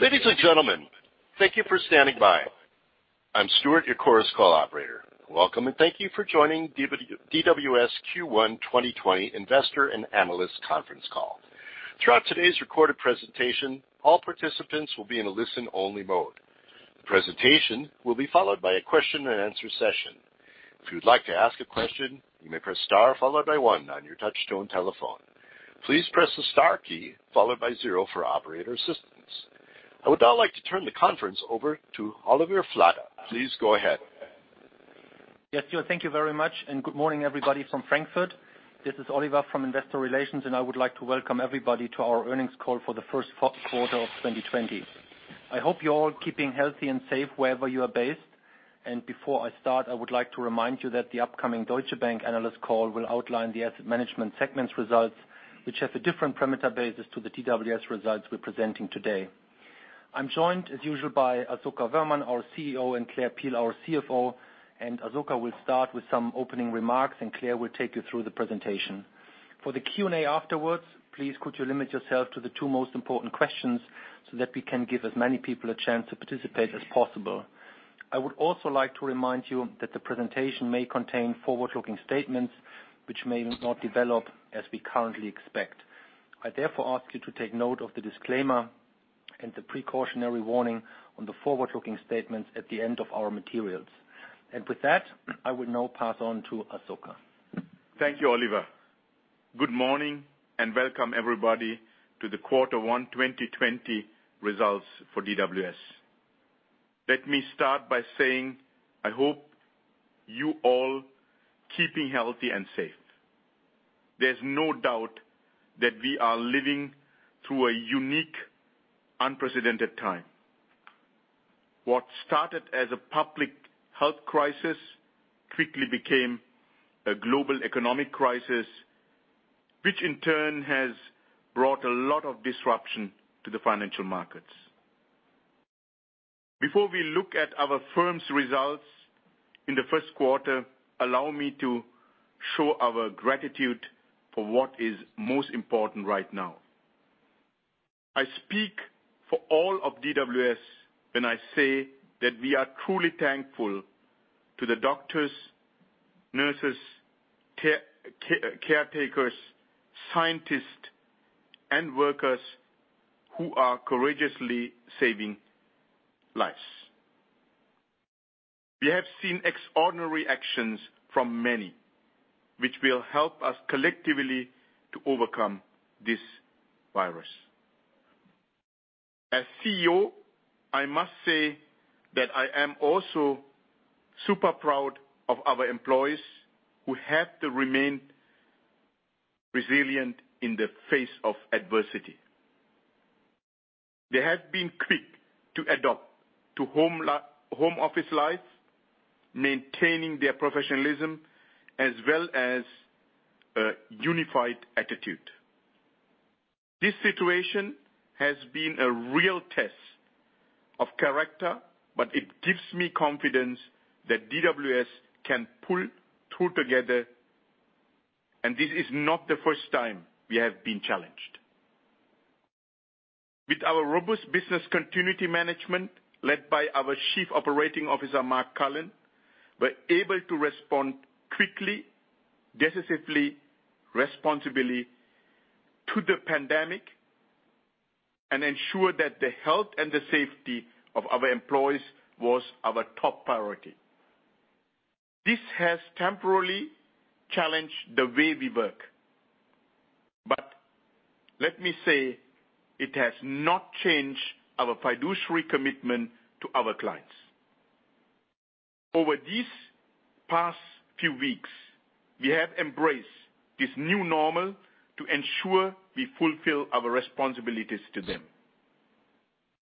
Ladies and gentlemen, thank you for standing by. I'm Stuart, your Chorus Call operator. Welcome, and thank you for joining DWS Q1 2020 investor and analyst conference call. Throughout today's recorded presentation, all participants will be in a listen-only mode. The presentation will be followed by a question and answer session. If you'd like to ask a question, you may press star followed by one on your touch-tone telephone. Please press the star key followed by zero for operator assistance. I would now like to turn the conference over to Oliver Flade. Please go ahead. Yes, Stuart, thank you very much. Good morning everybody from Frankfurt. This is Oliver from Investor Relations. I would like to welcome everybody to our earnings call for the first quarter of 2020. I hope you're all keeping healthy and safe wherever you are based. Before I start, I would like to remind you that the upcoming Deutsche Bank analyst call will outline the asset management segment's results, which has a different parameter basis to the DWS results we're presenting today. I'm joined, as usual, by Asoka Wöhrmann, our CEO, Claire Peel, our CFO. Asoka will start with some opening remarks. Claire will take you through the presentation. For the Q&A afterwards, please could you limit yourself to the two most important questions so that we can give as many people a chance to participate as possible. I would also like to remind you that the presentation may contain forward-looking statements which may not develop as we currently expect. I therefore ask you to take note of the disclaimer and the precautionary warning on the forward-looking statements at the end of our materials. With that, I will now pass on to Asoka. Thank you, Oliver. Good morning, welcome everybody to the quarter one 2020 results for DWS. Let me start by saying I hope you're all keeping healthy and safe. There's no doubt that we are living through a unique, unprecedented time. What started as a public health crisis quickly became a global economic crisis, which in turn has brought a lot of disruption to the financial markets. Before we look at our firm's results in the first quarter, allow me to show our gratitude for what is most important right now. I speak for all of DWS when I say that we are truly thankful to the doctors, nurses, caretakers, scientists, and workers who are courageously saving lives. We have seen extraordinary actions from many, which will help us collectively to overcome this virus. As CEO, I must say that I am also super proud of our employees who have to remain resilient in the face of adversity. They have been quick to adapt to home office life, maintaining their professionalism as well as a unified attitude. This situation has been a real test of character, but it gives me confidence that DWS can pull through together, and this is not the first time we have been challenged. With our robust business continuity management led by our Chief Operating Officer, Mark Cullen, we're able to respond quickly, decisively, responsibly to the pandemic and ensure that the health and the safety of our employees was our top priority. This has temporarily challenged the way we work. Let me say, it has not changed our fiduciary commitment to our clients. Over these past few weeks, we have embraced this new normal to ensure we fulfill our responsibilities to them.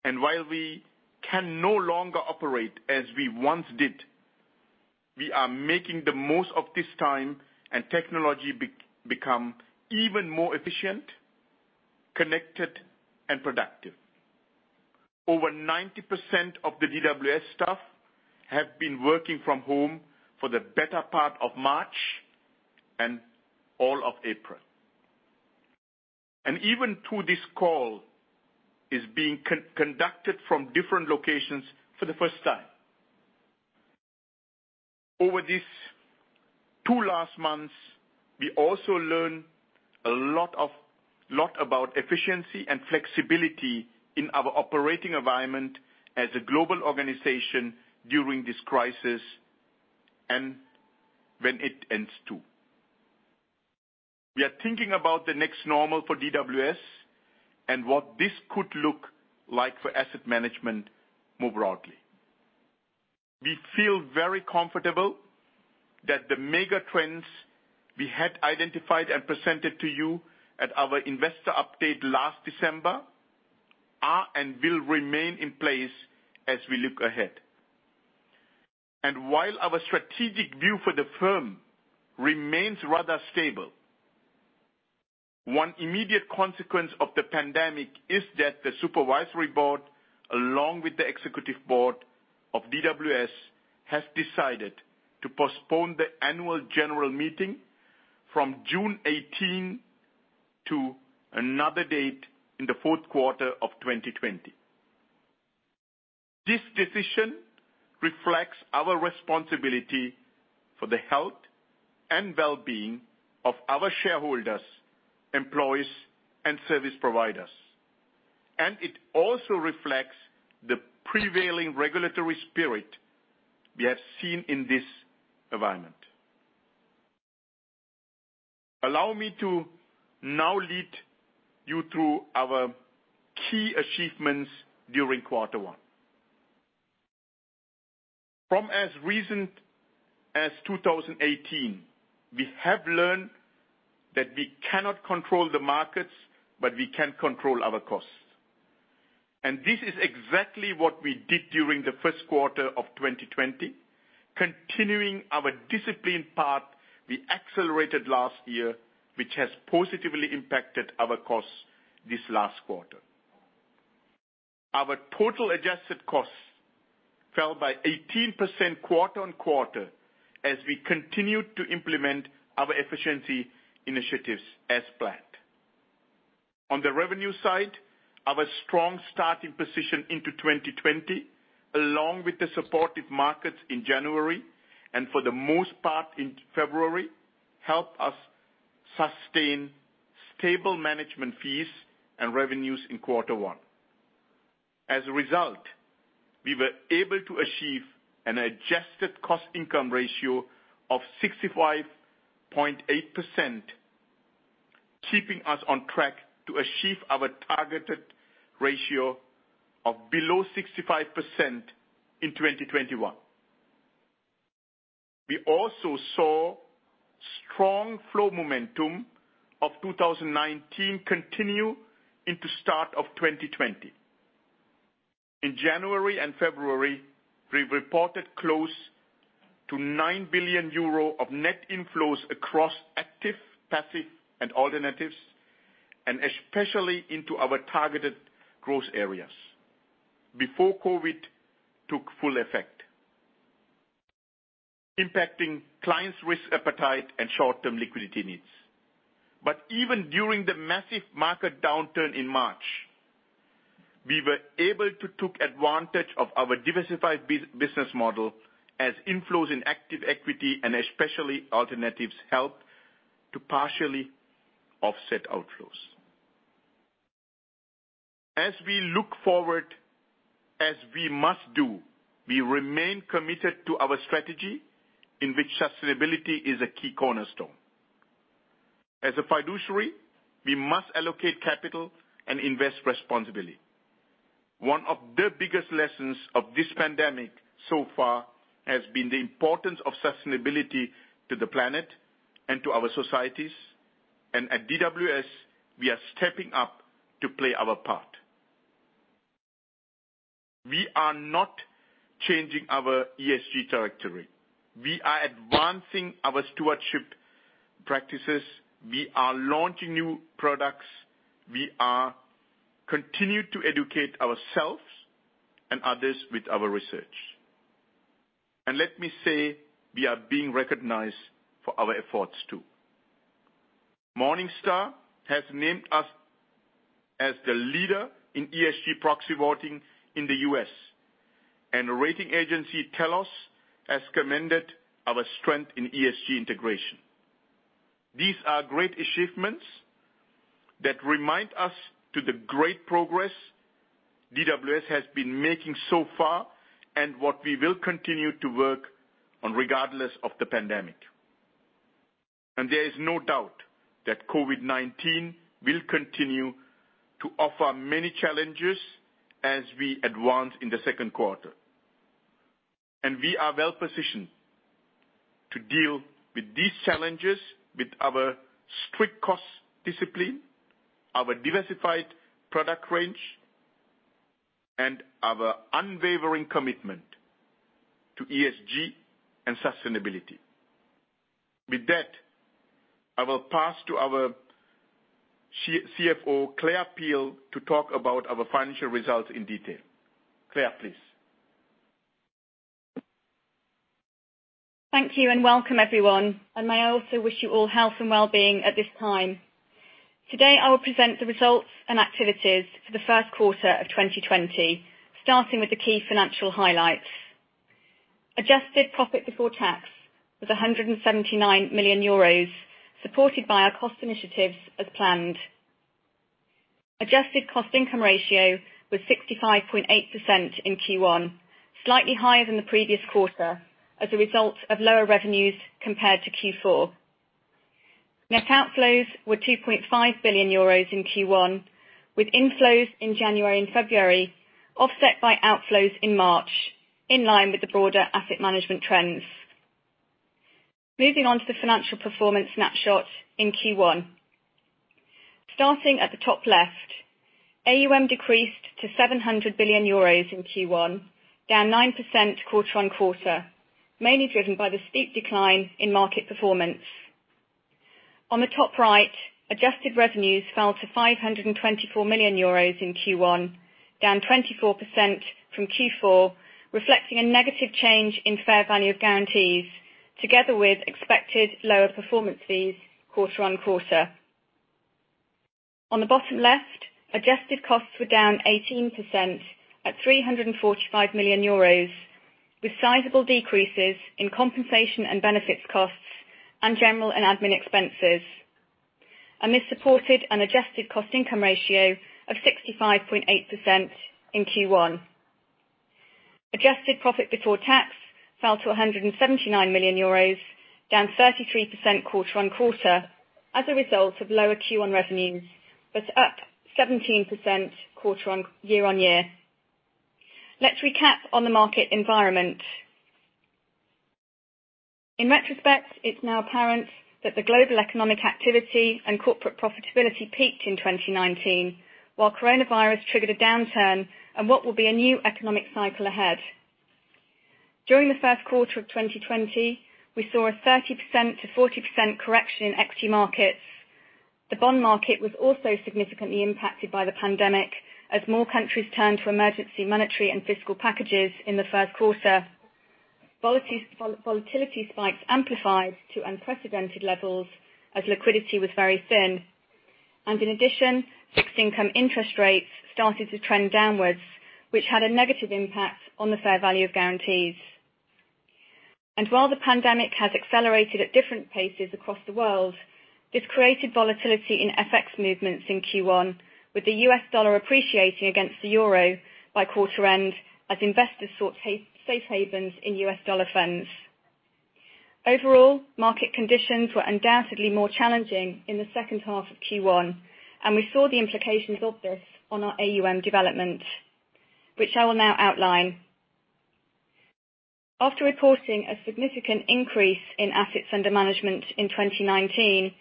While we can no longer operate as we once did, we are making the most of this time, and technology become even more efficient, connected, and productive. Over 90% of the DWS staff have been working from home for the better part of March and all of April. Even through this call is being conducted from different locations for the first time. Over these two last months, we also learn a lot about efficiency and flexibility in our operating environment as a global organization during this crisis, and when it ends too. We are thinking about the next normal for DWS and what this could look like for asset management more broadly. We feel very comfortable that the mega trends we had identified and presented to you at our investor update last December are and will remain in place as we look ahead. While our strategic view for the firm remains rather stable, one immediate consequence of the pandemic is that the supervisory board, along with the executive board of DWS, has decided to postpone the annual general meeting from June 18 to another date in the fourth quarter of 2020. This decision reflects our responsibility for the health and well-being of our shareholders, employees, and service providers, and it also reflects the prevailing regulatory spirit we have seen in this environment. Allow me to now lead you through our key achievements during quarter one. From as recent as 2018, we have learned that we cannot control the markets, but we can control our costs. This is exactly what we did during the first quarter of 2020, continuing our disciplined path we accelerated last year, which has positively impacted our costs this last quarter. Our total adjusted costs fell by 18% quarter-on-quarter as we continued to implement our efficiency initiatives as planned. On the revenue side, our strong starting position into 2020, along with the supportive markets in January and for the most part in February, helped us sustain stable management fees and revenues in quarter one. As a result, we were able to achieve an adjusted cost income ratio of 65.8%, keeping us on track to achieve our targeted ratio of below 65% in 2021. We also saw strong flow momentum of 2019 continue into start of 2020. In January and February, we reported close to 9 billion euro of net inflows across active, passive, and alternatives, and especially into our targeted growth areas before COVID-19 took full effect, impacting clients' risk appetite and short-term liquidity needs. Even during the massive market downturn in March, we were able to take advantage of our diversified business model as inflows in active equity and especially alternatives help to partially offset outflows. We look forward, as we must do, we remain committed to our strategy in which sustainability is a key cornerstone. As a fiduciary, we must allocate capital and invest responsibility. One of the biggest lessons of this pandemic so far has been the importance of sustainability to the planet and to our societies. At DWS, we are stepping up to play our part. We are not changing our ESG trajectory. We are advancing our stewardship practices. We are launching new products. We are continue to educate ourselves and others with our research. Let me say, we are being recognized for our efforts, too. Morningstar has named us as the leader in ESG proxy voting in the U.S., and rating agency TELOS has commended our strength in ESG integration. These are great achievements that remind us to the great progress DWS has been making so far and what we will continue to work on regardless of the pandemic. There is no doubt that COVID-19 will continue to offer many challenges as we advance in the second quarter. We are well-positioned to deal with these challenges with our strict cost discipline, our diversified product range, and our unwavering commitment to ESG and sustainability. With that, I will pass to our CFO, Claire Peel, to talk about our financial results in detail. Claire, please. Thank you, welcome, everyone. May I also wish you all health and well-being at this time. Today, I will present the results and activities for the first quarter of 2020, starting with the key financial highlights. Adjusted profit before tax was 179 million euros, supported by our cost initiatives as planned. Adjusted cost income ratio was 65.8% in Q1, slightly higher than the previous quarter as a result of lower revenues compared to Q4. Net outflows were 2.5 billion euros in Q1, with inflows in January and February offset by outflows in March, in line with the broader asset management trends. Moving on to the financial performance snapshot in Q1. Starting at the top left, AUM decreased to 700 billion euros in Q1, down 9% quarter-on-quarter, mainly driven by the steep decline in market performance. On the top right, adjusted revenues fell to 524 million euros in Q1. Down 24% from Q4, reflecting a negative change in fair value of guarantees, together with expected lower performance fees quarter-on-quarter. On the bottom left, adjusted costs were down 18% at 345 million euros, with sizable decreases in compensation and benefits costs and general and admin expenses. This supported an adjusted cost income ratio of 65.8% in Q1. Adjusted profit before tax fell to 179 million euros, down 33% quarter-on-quarter as a result of lower Q1 revenues, but up 17% year-on-year. Let's recap on the market environment. In retrospect, it's now apparent that the global economic activity and corporate profitability peaked in 2019, while coronavirus triggered a downturn in what will be a new economic cycle ahead. During the first quarter of 2020, we saw a 30%-40% correction in equity markets. The bond market was also significantly impacted by the pandemic, as more countries turned to emergency monetary and fiscal packages in the first quarter. Volatility spikes amplified to unprecedented levels as liquidity was very thin. In addition, fixed income interest rates started to trend downwards, which had a negative impact on the fair value of guarantees. While the pandemic has accelerated at different paces across the world, it's created volatility in FX movements in Q1. With the U.S. dollar appreciating against the euro by quarter end, as investors sought safe havens in U.S. dollar funds. Overall, market conditions were undoubtedly more challenging in the second half of Q1, and we saw the implications of this on our AUM development, which I will now outline. After reporting a significant increase in assets under management in 2019,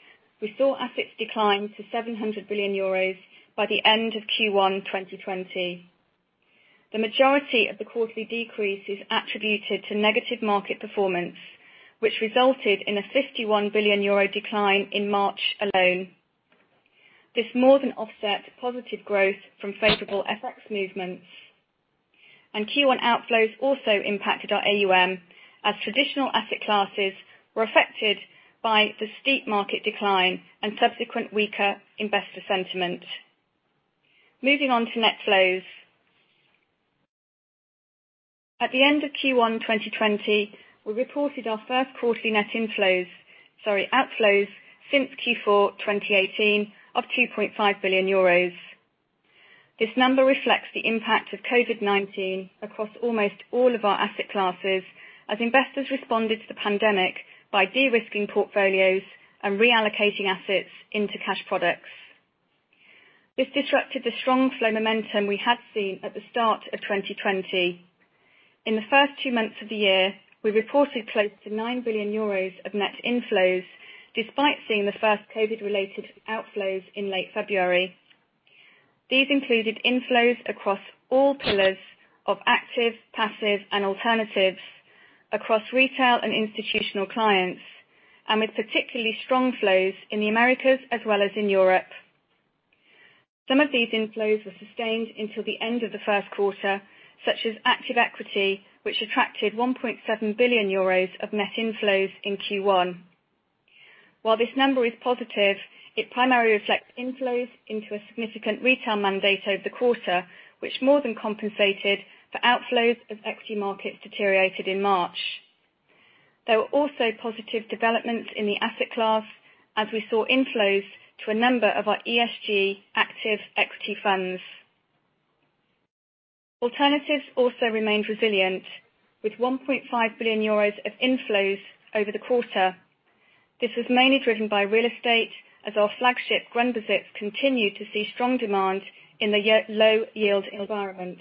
we saw assets decline to 700 billion euros by the end of Q1 2020. The majority of the quarterly decrease is attributed to negative market performance, which resulted in a EUR 51 billion decline in March alone. This more than offset positive growth from favorable FX movements. Q1 outflows also impacted our AUM as traditional asset classes were affected by the steep market decline and subsequent weaker investor sentiment. Moving on to net flows. At the end of Q1 2020, we reported our first quarterly net inflows, sorry, outflows, since Q4 2018 of EUR 2.5 billion. This number reflects the impact of COVID-19 across almost all of our asset classes, as investors responded to the pandemic by de-risking portfolios and reallocating assets into cash products. This disrupted the strong flow momentum we had seen at the start of 2020. In the first two months of the year, we reported close to 9 billion euros of net inflows, despite seeing the first Covid related outflows in late February. These included inflows across all pillars of active, passive, and alternatives across retail and institutional clients, with particularly strong flows in the Americas as well as in Europe. Some of these inflows were sustained until the end of the first quarter, such as active equity, which attracted 1.7 billion euros of net inflows in Q1. While this number is positive, it primarily reflects inflows into a significant retail mandate over the quarter, which more than compensated for outflows as equity markets deteriorated in March. There were also positive developments in the asset class, as we saw inflows to a number of our ESG active equity funds. Alternatives also remained resilient, with 1.5 billion euros of inflows over the quarter. This was mainly driven by real estate, as our flagship Grundbesitz continued to see strong demand in the low yield environment.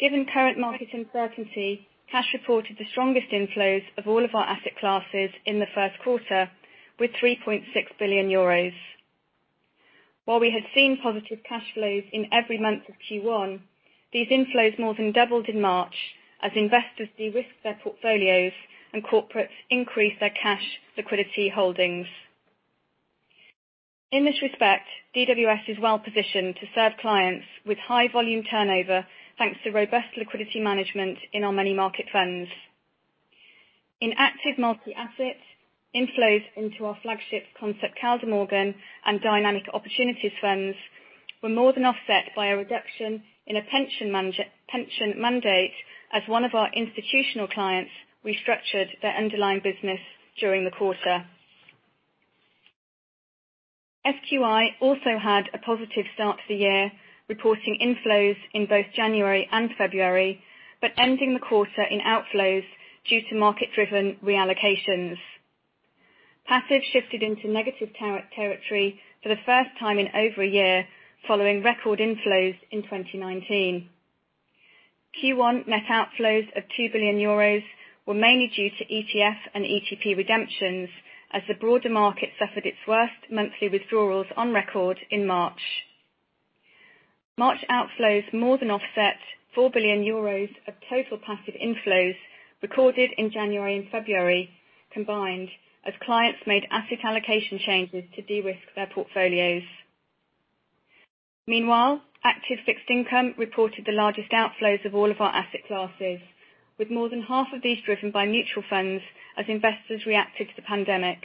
Given current market uncertainty, cash reported the strongest inflows of all of our asset classes in the first quarter with 3.6 billion euros. While we had seen positive cash flows in every month of Q1, these inflows more than doubled in March as investors de-risk their portfolios and corporates increased their cash liquidity holdings. In this respect, DWS is well positioned to serve clients with high volume turnover, thanks to robust liquidity management in our money market funds. In active multi-asset, inflows into our flagship Concept Kaldemorgen and Dynamic Opportunities funds were more than offset by a reduction in a pension mandate as one of our institutional clients restructured their underlying business during the quarter. SQI also had a positive start to the year, reporting inflows in both January and February, but ending the quarter in outflows due to market-driven reallocations. Passive shifted into negative territory for the first time in over a year, following record inflows in 2019. Q1 net outflows of 2 billion euros were mainly due to ETF and ETP redemptions as the broader market suffered its worst monthly withdrawals on record in March. March outflows more than offset 4 billion euros of total passive inflows recorded in January and February combined as clients made asset allocation changes to de-risk their portfolios. Meanwhile, active fixed income reported the largest outflows of all of our asset classes, with more than half of these driven by mutual funds as investors reacted to the pandemic.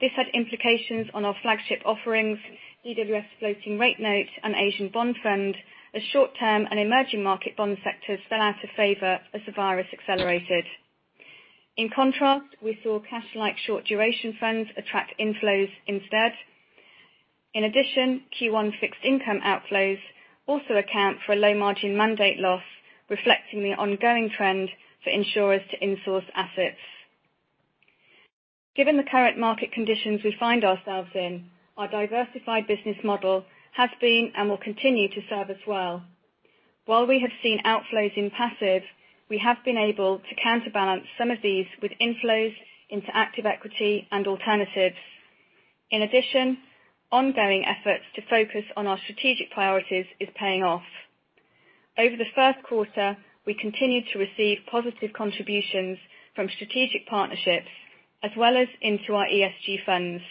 This had implications on our flagship offerings, DWS Floating Rate Note and Asian Bond Fund, as short-term and emerging market bond sectors fell out of favor as the virus accelerated. In contrast, we saw cash-like short duration funds attract inflows instead. In addition, Q1 fixed income outflows also account for a low margin mandate loss, reflecting the ongoing trend for insurers to insource assets. Given the current market conditions we find ourselves in, our diversified business model has been and will continue to serve us well. While we have seen outflows in passive, we have been able to counterbalance some of these with inflows into active equity and alternatives. In addition, ongoing efforts to focus on our strategic priorities is paying off. Over the first quarter, we continued to receive positive contributions from strategic partnerships, as well as into our ESG funds.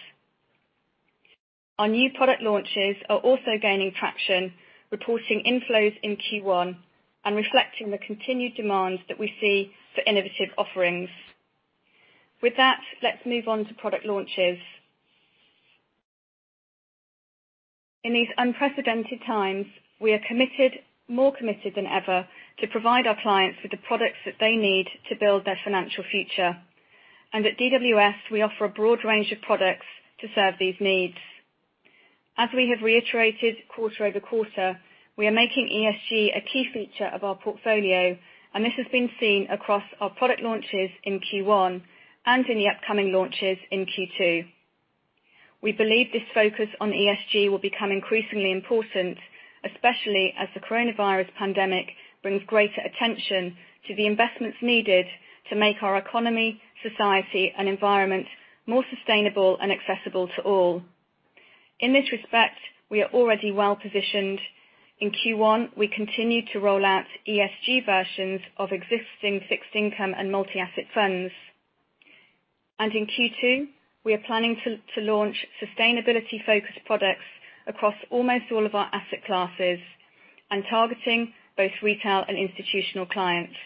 Our new product launches are also gaining traction, reporting inflows in Q1 and reflecting the continued demands that we see for innovative offerings. With that, let's move on to product launches. In these unprecedented times, we are more committed than ever to provide our clients with the products that they need to build their financial future. At DWS, we offer a broad range of products to serve these needs. As we have reiterated quarter-over-quarter, we are making ESG a key feature of our portfolio, and this has been seen across our product launches in Q1 and in the upcoming launches in Q2. We believe this focus on ESG will become increasingly important, especially as the coronavirus pandemic brings greater attention to the investments needed to make our economy, society, and environment more sustainable and accessible to all. In this respect, we are already well-positioned. In Q1, we continued to roll out ESG versions of existing fixed income and multi-asset funds. In Q2, we are planning to launch sustainability-focused products across almost all of our asset classes and targeting both retail and institutional clients.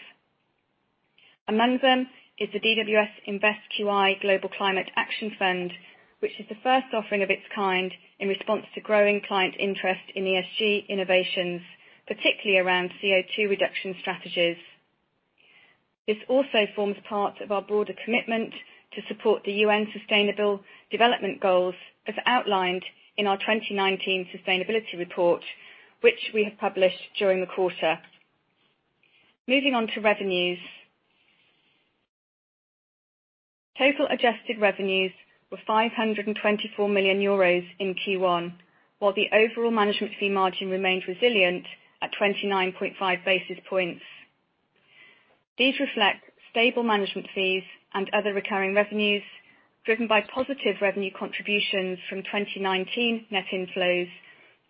Among them is the DWS Invest Qi Global Climate Action Fund, which is the first offering of its kind in response to growing client interest in ESG innovations, particularly around CO2 reduction strategies. This also forms part of our broader commitment to support the UN Sustainable Development Goals as outlined in our 2019 sustainability report, which we have published during the quarter. Moving on to revenues. Total adjusted revenues were 524 million euros in Q1, while the overall management fee margin remained resilient at 29.5 basis points. These reflect stable management fees and other recurring revenues driven by positive revenue contributions from 2019 net inflows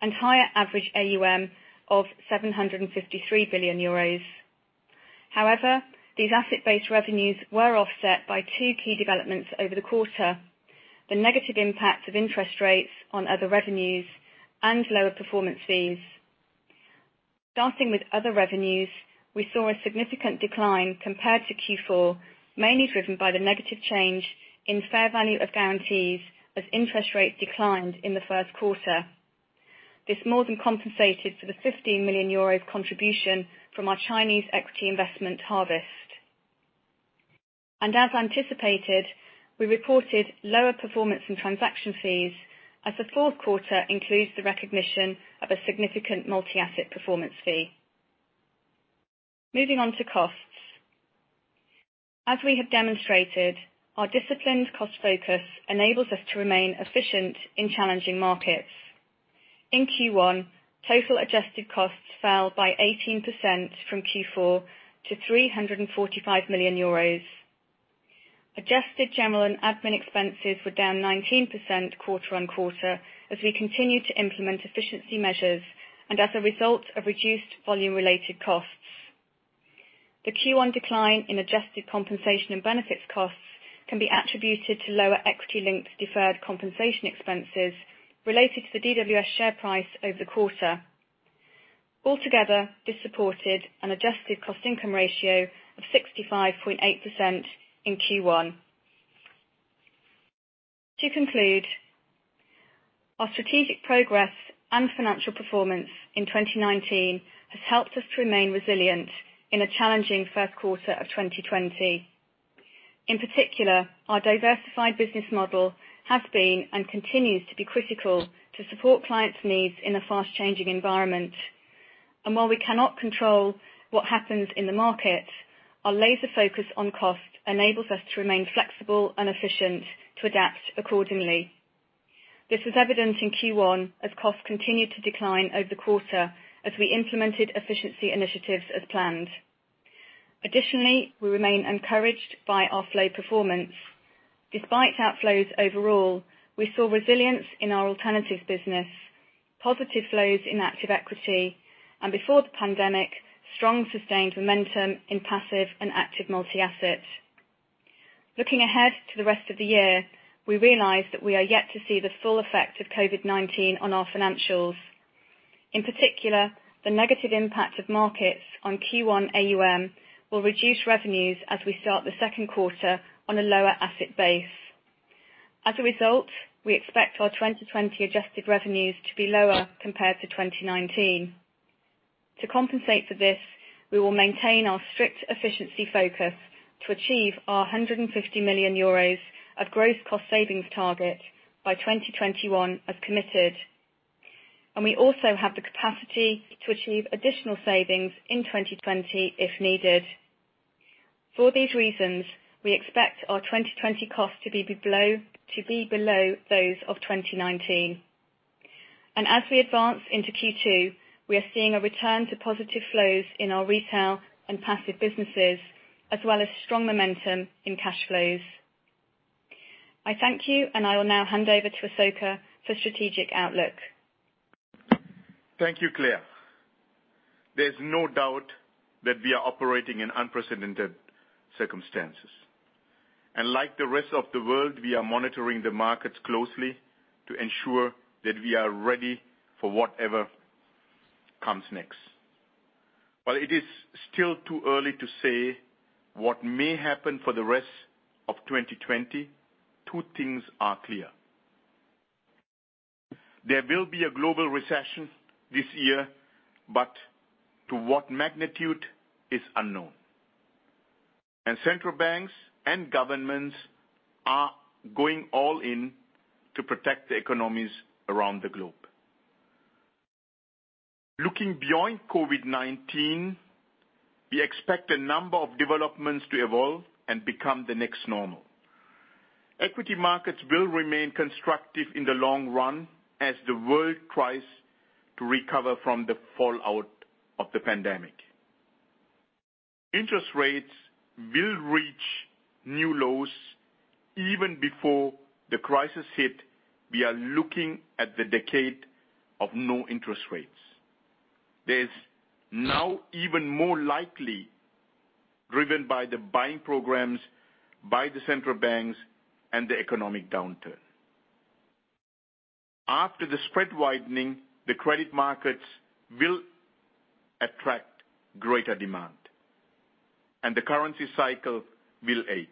and higher average AUM of 753 billion euros. However, these asset-based revenues were offset by two key developments over the quarter, the negative impact of interest rates on other revenues and lower performance fees. Starting with other revenues, we saw a significant decline compared to Q4, mainly driven by the negative change in fair value of guarantees as interest rates declined in the first quarter. This more than compensated for the 15 million euros contribution from our Chinese equity investment Harvest. As anticipated, we reported lower performance in transaction fees as the fourth quarter includes the recognition of a significant multi-asset performance fee. Moving on to costs. As we have demonstrated, our disciplined cost focus enables us to remain efficient in challenging markets. In Q1, total adjusted costs fell by 18% from Q4 to EUR 345 million. Adjusted general and admin expenses were down 19% quarter-on-quarter as we continued to implement efficiency measures and as a result of reduced volume-related costs. The Q1 decline in adjusted compensation and benefits costs can be attributed to lower equity-linked deferred compensation expenses related to the DWS share price over the quarter. Altogether, this supported an adjusted cost income ratio of 65.8% in Q1. To conclude, our strategic progress and financial performance in 2019 has helped us to remain resilient in a challenging first quarter of 2020. In particular, our diversified business model has been and continues to be critical to support clients' needs in a fast-changing environment. While we cannot control what happens in the market, our laser focus on cost enables us to remain flexible and efficient to adapt accordingly. This is evident in Q1 as costs continued to decline over the quarter as we implemented efficiency initiatives as planned. Additionally, we remain encouraged by our flow performance. Despite outflows overall, we saw resilience in our alternatives business. Positive flows in active equity, and before the pandemic, strong sustained momentum in passive and active multi-asset. Looking ahead to the rest of the year, we realize that we are yet to see the full effect of COVID-19 on our financials. In particular, the negative impact of markets on Q1 AUM will reduce revenues as we start the second quarter on a lower asset base. As a result, we expect our 2020 adjusted revenues to be lower compared to 2019. To compensate for this, we will maintain our strict efficiency focus to achieve our 150 million euros of gross cost savings target by 2021 as committed. We also have the capacity to achieve additional savings in 2020 if needed. For these reasons, we expect our 2020 costs to be below those of 2019. As we advance into Q2, we are seeing a return to positive flows in our retail and passive businesses, as well as strong momentum in cash flows. I thank you, and I will now hand over to Asoka for strategic outlook. Thank you, Claire. There's no doubt that we are operating in unprecedented circumstances. Like the rest of the world, we are monitoring the markets closely to ensure that we are ready for whatever comes next. While it is still too early to say what may happen for the rest of 2020, two things are clear. There will be a global recession this year, but to what magnitude is unknown. Central banks and governments are going all in to protect the economies around the globe. Looking beyond COVID-19, we expect a number of developments to evolve and become the next normal. Equity markets will remain constructive in the long run as the world tries to recover from the fallout of the pandemic. Interest rates will reach new lows. Even before the crisis hit, we are looking at the decade of no interest rates. This now even more likely, driven by the buying programs by the central banks and the economic downturn. After the spread widening, the credit markets will attract greater demand, and the currency cycle will age.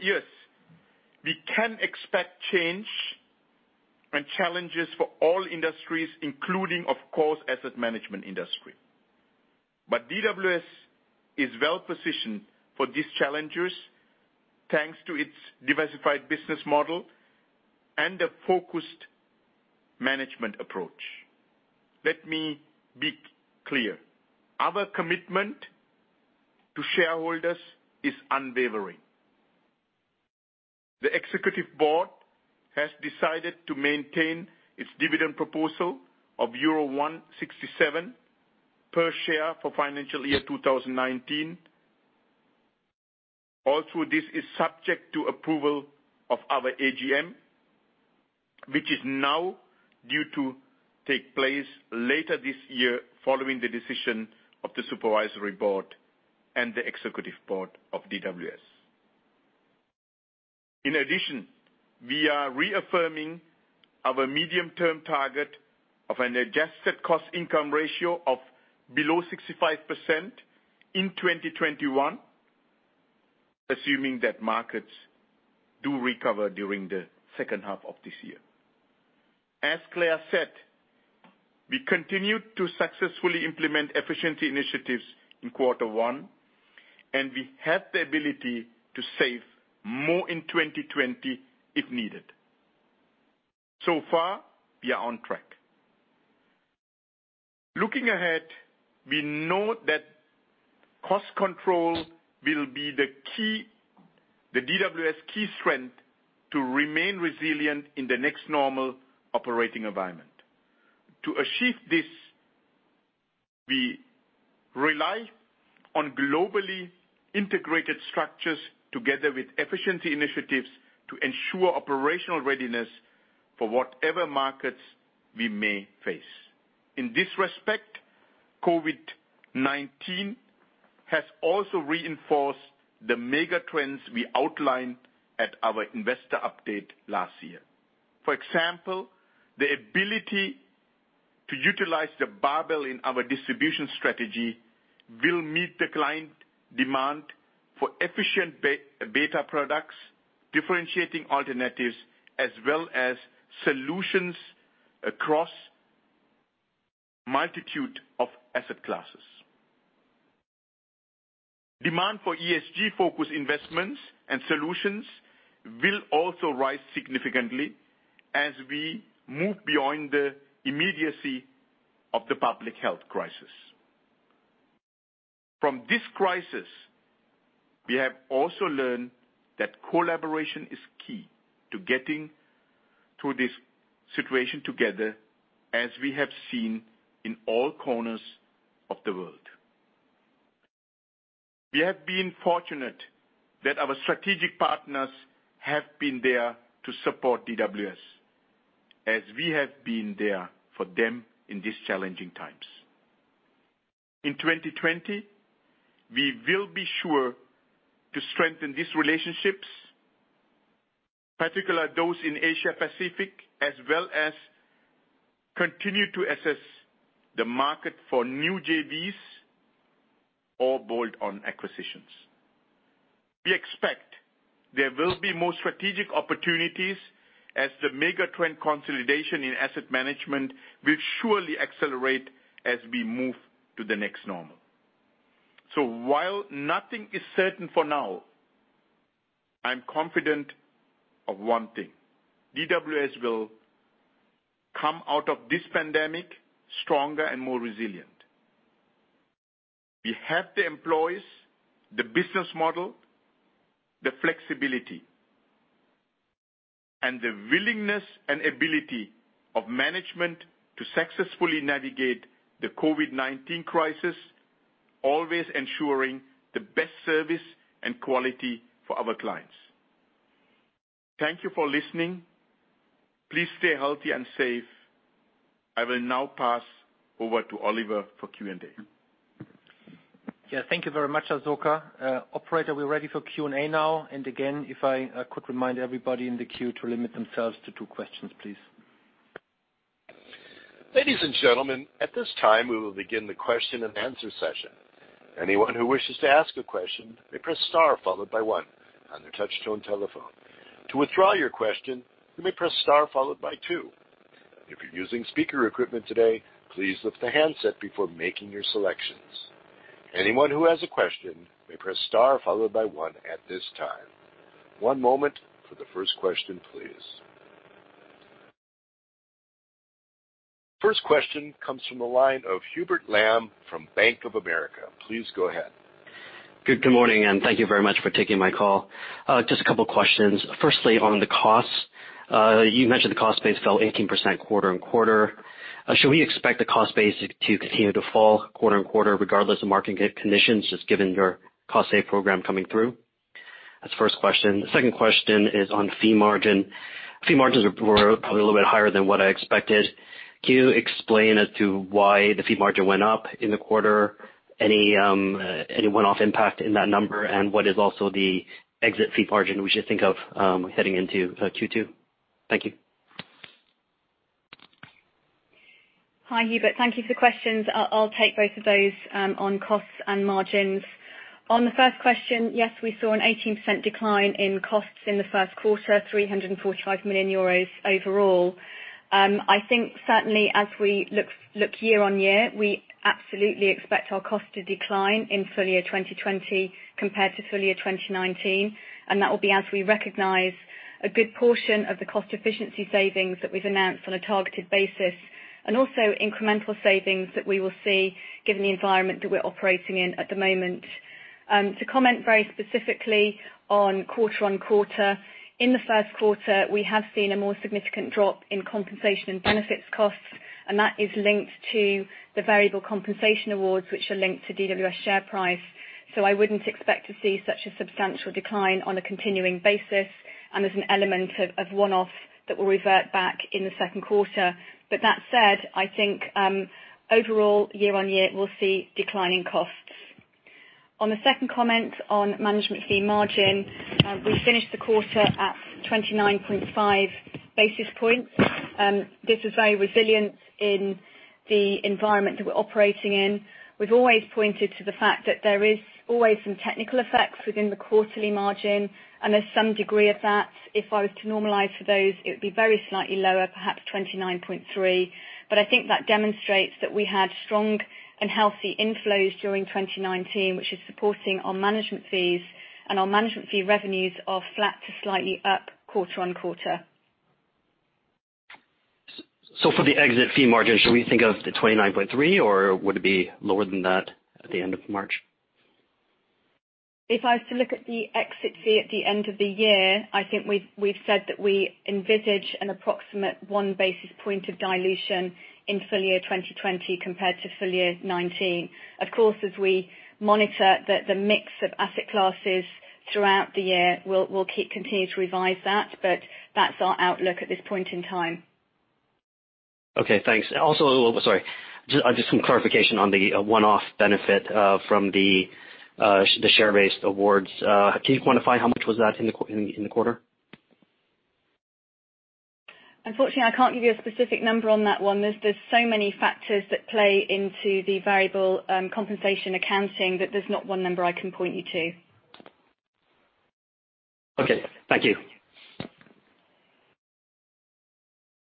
Yes, we can expect change and challenges for all industries, including, of course, asset management industry. DWS is well-positioned for these challenges thanks to its diversified business model and a focused management approach. Let me be clear. Our commitment to shareholders is unwavering. The Executive Board has decided to maintain its dividend proposal of euro 1.67 per share for financial year 2019. This is subject to approval of our AGM, which is now due to take place later this year following the decision of the Supervisory Board and the Executive Board of DWS. We are reaffirming our medium-term target of an adjusted cost income ratio of below 65% in 2021, assuming that markets do recover during the second half of this year. As Claire said, we continued to successfully implement efficiency initiatives in quarter one. We have the ability to save more in 2020 if needed. We are on track. Looking ahead, we know that cost control will be the DWS key strength to remain resilient in the next normal operating environment. To achieve this, we rely on globally integrated structures together with efficiency initiatives to ensure operational readiness for whatever markets we may face. In this respect, COVID-19 has also reinforced the mega trends we outlined at our investor update last year. For example, the ability to utilize the barbell in our distribution strategy will meet the client demand for efficient beta products, differentiating alternatives, as well as solutions across multitude of asset classes. Demand for ESG-focused investments and solutions will also rise significantly as we move beyond the immediacy of the public health crisis. From this crisis, we have also learned that collaboration is key to getting through this situation together, as we have seen in all corners of the world. We have been fortunate that our strategic partners have been there to support DWS as we have been there for them in these challenging times. In 2020, we will be sure to strengthen these relationships, particularly those in Asia Pacific, as well as continue to assess the market for new JVs or bolt-on acquisitions. We expect there will be more strategic opportunities as the mega trend consolidation in asset management will surely accelerate as we move to the next normal. While nothing is certain for now, I'm confident of one thing. DWS will come out of this pandemic stronger and more resilient. We have the employees, the business model, the flexibility, and the willingness and ability of management to successfully navigate the COVID-19 crisis, always ensuring the best service and quality for our clients. Thank you for listening. Please stay healthy and safe. I will now pass over to Oliver for Q&A. Yeah. Thank you very much, Asoka. Operator, we're ready for Q&A now. Again, if I could remind everybody in the queue to limit themselves to two questions, please. Ladies and gentlemen, at this time, we will begin the question and answer session. Anyone who wishes to ask a question, may press star followed by one on their touch-tone telephone. To withdraw your question, you may press star followed by two. If you're using speaker equipment today, please lift the handset before making your selections. Anyone who has a question may press star followed by one at this time. One moment for the first question, please. First question comes from the line of Hubert Lam from Bank of America. Please go ahead. Good morning. Thank you very much for taking my call. Just a couple questions. Firstly, on the costs. You mentioned the cost base fell 18% quarter-on-quarter. Should we expect the cost base to continue to fall quarter-on-quarter regardless of market conditions, just given your cost save program coming through? That's the first question. The second question is on fee margin. Fee margins were probably a little bit higher than what I expected. Can you explain as to why the fee margin went up in the quarter? Any one-off impact in that number, what is also the exit fee margin we should think of heading into Q2? Thank you. Hi, Hubert. Thank you for the questions. I will take both of those on costs and margins. On the first question, yes, we saw an 18% decline in costs in the first quarter, 345 million euros overall. I think certainly as we look year-on-year, we absolutely expect our cost to decline in full year 2020 compared to full year 2019, and that will be as we recognize a good portion of the cost efficiency savings that we have announced on a targeted basis, and also incremental savings that we will see given the environment that we are operating in at the moment. To comment very specifically on quarter-on-quarter, in the first quarter, we have seen a more significant drop in compensation and benefits costs, and that is linked to the variable compensation awards, which are linked to DWS share price. I wouldn't expect to see such a substantial decline on a continuing basis, and there's an element of one-off that will revert back in the second quarter. That said, I think, overall, year-over-year, we'll see declining costs. On the second comment on management fee margin, we finished the quarter at 29.5 basis points. This is very resilient in the environment that we're operating in. We've always pointed to the fact that there is always some technical effects within the quarterly margin, and there's some degree of that. If I was to normalize for those, it would be very slightly lower, perhaps 29.3%. I think that demonstrates that we had strong and healthy inflows during 2019, which is supporting our management fees, and our management fee revenues are flat to slightly up quarter-over-quarter. For the exit fee margin, should we think of the 29.3%, or would it be lower than that at the end of March? If I was to look at the exit fee at the end of the year, I think we've said that we envisage an approximate 1 basis point of dilution in full year 2020 compared to full year 2019. As we monitor the mix of asset classes throughout the year, we'll continue to revise that, but that's our outlook at this point in time. Okay, thanks. Also, sorry. Just some clarification on the one-off benefit from the share-based awards. Can you quantify how much was that in the quarter? Unfortunately, I can't give you a specific number on that one. There's so many factors that play into the variable compensation accounting that there's not one number I can point you to. Okay. Thank you.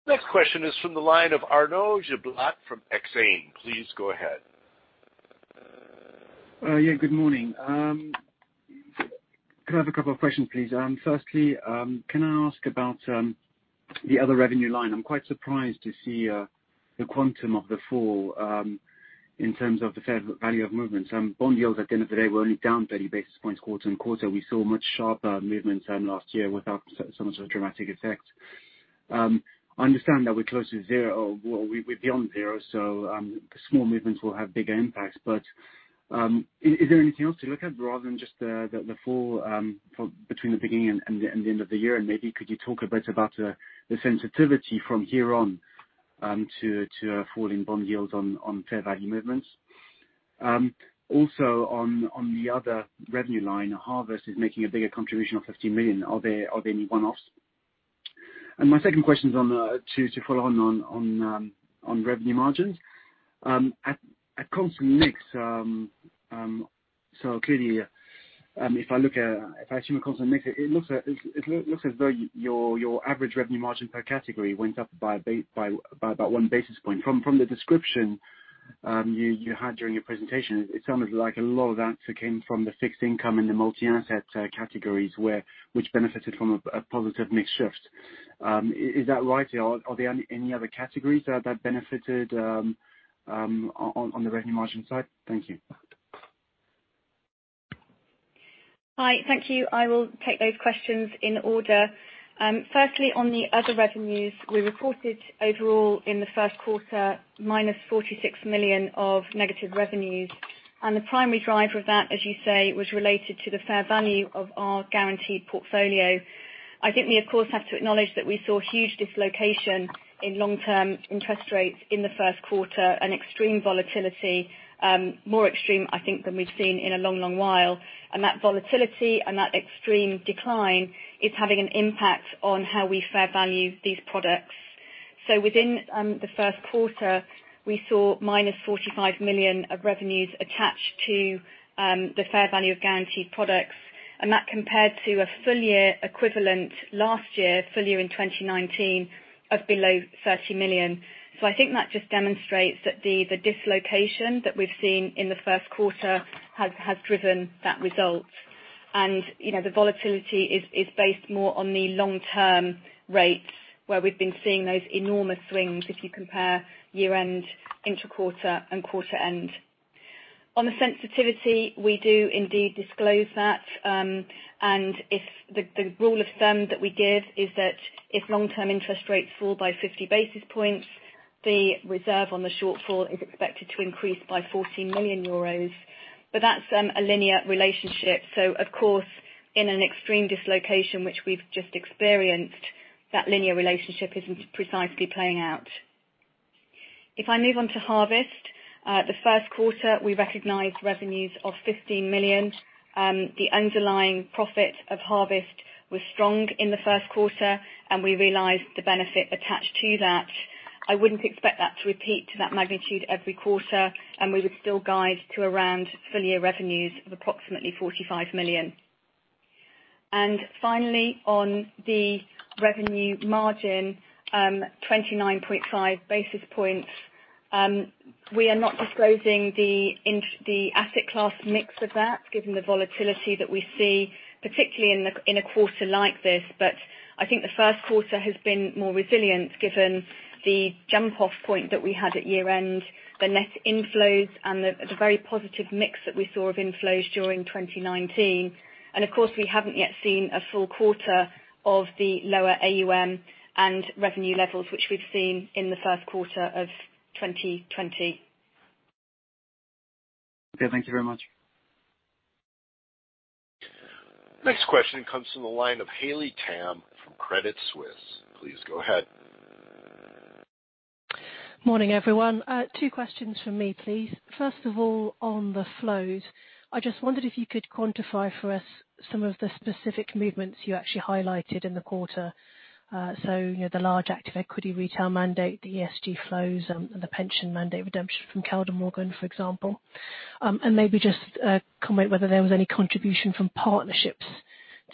Next question is from the line of Arnaud Giblat from Exane. Please go ahead. Yeah. Good morning. Could I have a couple of questions, please? Firstly, can I ask about the other revenue line? I'm quite surprised to see the quantum of the fall in terms of the fair value of movements. Bond yields at the end of the day were only down 30 basis points quarter-on-quarter. We saw much sharper movements last year without so much of a dramatic effect. I understand that we're close to zero. Well, we're beyond zero, so small movements will have bigger impacts. Is there anything else to look at rather than just the fall between the beginning and the end of the year? Maybe could you talk a bit about the sensitivity from here on to a fall in bond yields on fair value movements? Also on the other revenue line, Harvest is making a bigger contribution of 15 million. Are there any one-offs? My second question is to follow on revenue margins. At constant mix, clearly, if I assume a constant mix, it looks as though your average revenue margin per category went up by about 1 basis point. From the description you had during your presentation, it sounded like a lot of that came from the fixed income and the multi-asset categories, which benefited from a positive mix shift. Is that right? Are there any other categories that benefited on the revenue margin side? Thank you. Hi, thank you. I will take those questions in order. Firstly, on the other revenues, we reported overall in the first quarter, minus 46 million of negative revenues. The primary driver of that, as you say, was related to the fair value of our guaranteed portfolio. I think we, of course, have to acknowledge that we saw huge dislocation in long-term interest rates in the first quarter and extreme volatility, more extreme, I think, than we've seen in a long while. That volatility and that extreme decline is having an impact on how we fair value these products. Within the first quarter, we saw minus 45 million of revenues attached to the fair value of guaranteed products, and that compared to a full year equivalent last year, full year in 2019, of below 30 million. I think that just demonstrates that the dislocation that we've seen in the first quarter has driven that result. The volatility is based more on the long-term rates, where we've been seeing those enormous swings, if you compare year-end, intra-quarter, and quarter end. On the sensitivity, we do indeed disclose that. The rule of thumb that we give is that if long-term interest rates fall by 50 basis points, the reserve on the shortfall is expected to increase by 14 million euros. That's a linear relationship. Of course, in an extreme dislocation, which we've just experienced, that linear relationship isn't precisely playing out. If I move on to Harvest. The first quarter, we recognized revenues of 15 million. The underlying profit of Harvest was strong in the first quarter, and we realized the benefit attached to that. I wouldn't expect that to repeat to that magnitude every quarter. We would still guide to around full-year revenues of approximately 45 million. Finally, on the revenue margin, 29.5 basis points. We are not disclosing the asset class mix of that, given the volatility that we see, particularly in a quarter like this. I think the first quarter has been more resilient given the jump-off point that we had at year-end, the net inflows, and the very positive mix that we saw of inflows during 2019. Of course, we haven't yet seen a full quarter of the lower AUM and revenue levels, which we've seen in the first quarter of 2020. Okay. Thank you very much. Next question comes from the line of Haley Tam from Credit Suisse. Please go ahead. Morning, everyone. Two questions from me, please. On the flows, I just wondered if you could quantify for us some of the specific movements you actually highlighted in the quarter. the large active equity retail mandate, the ESG flows, and the pension mandate redemption from Concept Kaldemorgen, for example. maybe just comment whether there was any contribution from partnerships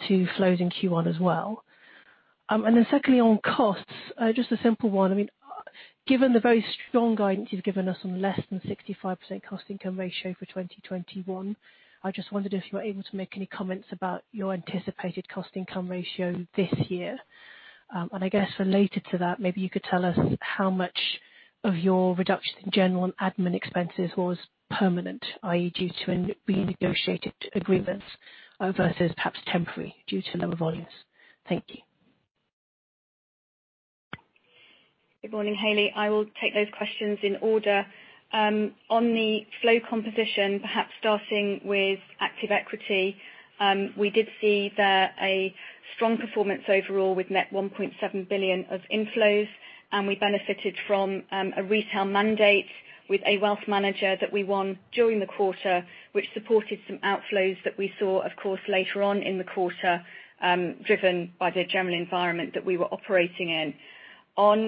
to flows in Q1 as well. secondly, on costs, just a simple one. Given the very strong guidance you've given us on less than 65% cost income ratio for 2021, I just wondered if you were able to make any comments about your anticipated cost income ratio this year. I guess related to that, maybe you could tell us how much of your reduction in general and admin expenses was permanent, i.e., due to renegotiated agreements versus perhaps temporary due to lower volumes. Thank you. Good morning, Haley. I will take those questions in order. On the flow composition, perhaps starting with active equity. We did see there a strong performance overall with net 1.7 billion of inflows. We benefited from a retail mandate with a wealth manager that we won during the quarter, which supported some outflows that we saw, of course, later on in the quarter, driven by the general environment that we were operating in. On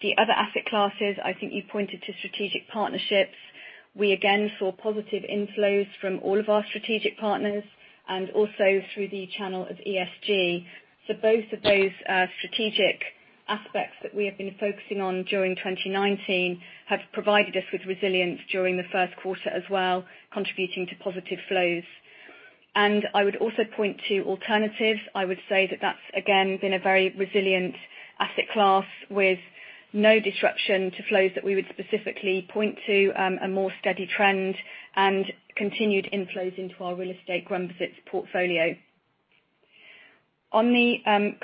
the other asset classes, I think you pointed to strategic partnerships. We again saw positive inflows from all of our strategic partners and also through the channel of ESG. Both of those strategic aspects that we have been focusing on during 2019 have provided us with resilience during the first quarter as well, contributing to positive flows. I would also point to alternatives. I would say that that's, again, been a very resilient asset class with no disruption to flows that we would specifically point to a more steady trend and continued inflows into our real estate Grundbesitz portfolio. On the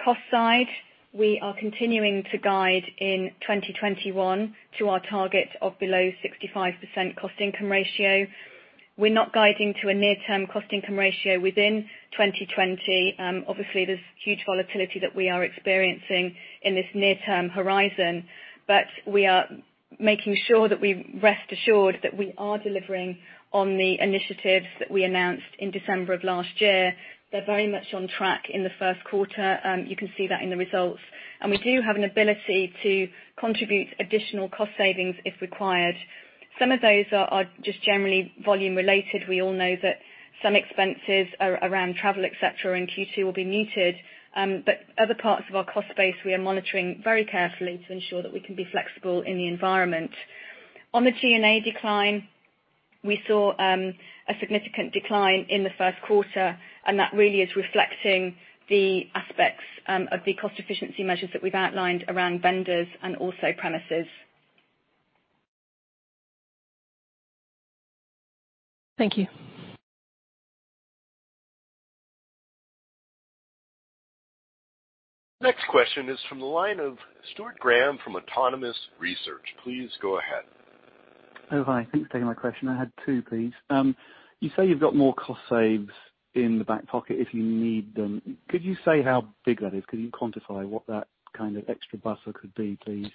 cost side, we are continuing to guide in 2021 to our target of below 65% cost income ratio. We're not guiding to a near-term cost income ratio within 2020. There's huge volatility that we are experiencing in this near-term horizon, but we are making sure that we rest assured that we are delivering on the initiatives that we announced in December of last year. They're very much on track in the first quarter. You can see that in the results. We do have an ability to contribute additional cost savings if required. Some of those are just generally volume related. We all know that some expenses around travel, etc, in Q2 will be muted. Other parts of our cost base, we are monitoring very carefully to ensure that we can be flexible in the environment. On the G&A decline, we saw a significant decline in the first quarter, that really is reflecting the aspects of the cost efficiency measures that we've outlined around vendors and also premises. Thank you. Next question is from the line of Stuart Graham from Autonomous Research. Please go ahead. Oh, hi. Thanks for taking my question. I had two, please. You say you've got more cost saves in the back pocket if you need them. Could you say how big that is? Could you quantify what that kind of extra buffer could be, please?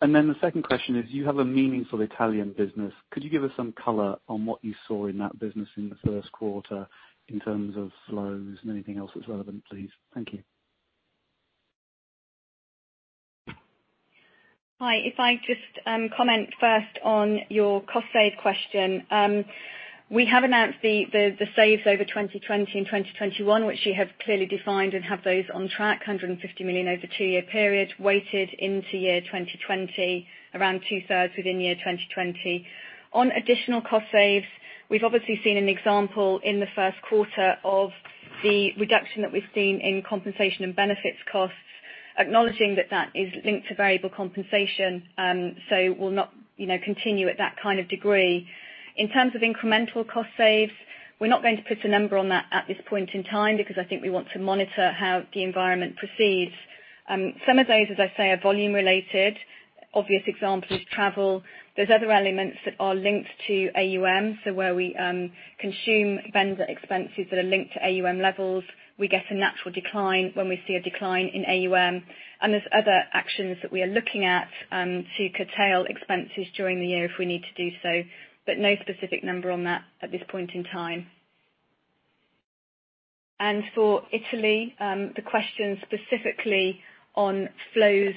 Then the second question is, you have a meaningful Italian business. Could you give us some color on what you saw in that business in the first quarter in terms of flows and anything else that's relevant, please? Thank you. Hi. If I just comment first on your cost save question. We have announced the saves over 2020 and 2021, which you have clearly defined and have those on track, 150 million over a two-year period, weighted into year 2020, around 2/3 within year 2020. On additional cost saves, we've obviously seen an example in the first quarter of the reduction that we've seen in compensation and benefits costs, acknowledging that that is linked to variable compensation, so will not continue at that kind of degree. In terms of incremental cost saves, we're not going to put a number on that at this point in time because I think we want to monitor how the environment proceeds. Some of those, as I say, are volume related. Obvious example is travel. There's other elements that are linked to AUM. Where we consume vendor expenses that are linked to AUM levels, we get a natural decline when we see a decline in AUM. There's other actions that we are looking at to curtail expenses during the year if we need to do so, but no specific number on that at this point in time. For Italy, the question specifically on flows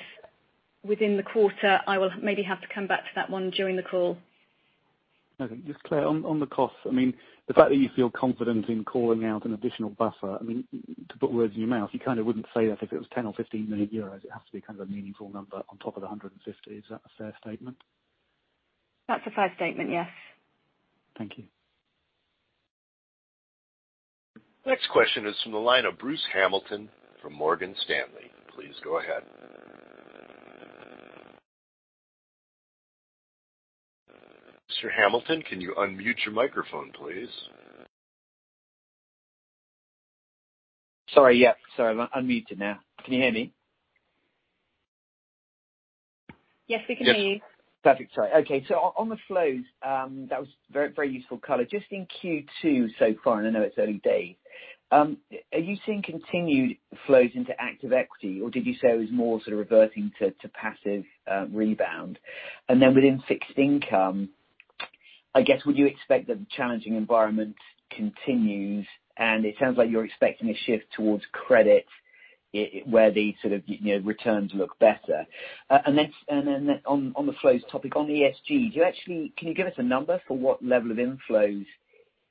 within the quarter, I will maybe have to come back to that one during the call. Okay. Just Claire, on the costs. The fact that you feel confident in calling out an additional buffer, to put words in your mouth, you kind of wouldn't say that if it was 10 million or 15 million euros. It has to be kind of a meaningful number on top of the 150 million. Is that a fair statement? That's a fair statement, yes. Thank you. Next question is from the line of Bruce Hamilton from Morgan Stanley. Please go ahead. Mr. Hamilton, can you unmute your microphone, please? Sorry. Yeah. Sorry, I've unmuted now. Can you hear me? Yes, we can hear you. Yes. Perfect. Sorry. Okay, on the flows, that was very useful color. Just in Q2 so far, and I know it's early days, are you seeing continued flows into active equity, or did you say it was more sort of reverting to passive rebound? Within fixed income, I guess would you expect that the challenging environment continues? It sounds like you're expecting a shift towards credit, where the sort of returns look better. On the flows topic, on ESG, can you give us a number for what level of inflows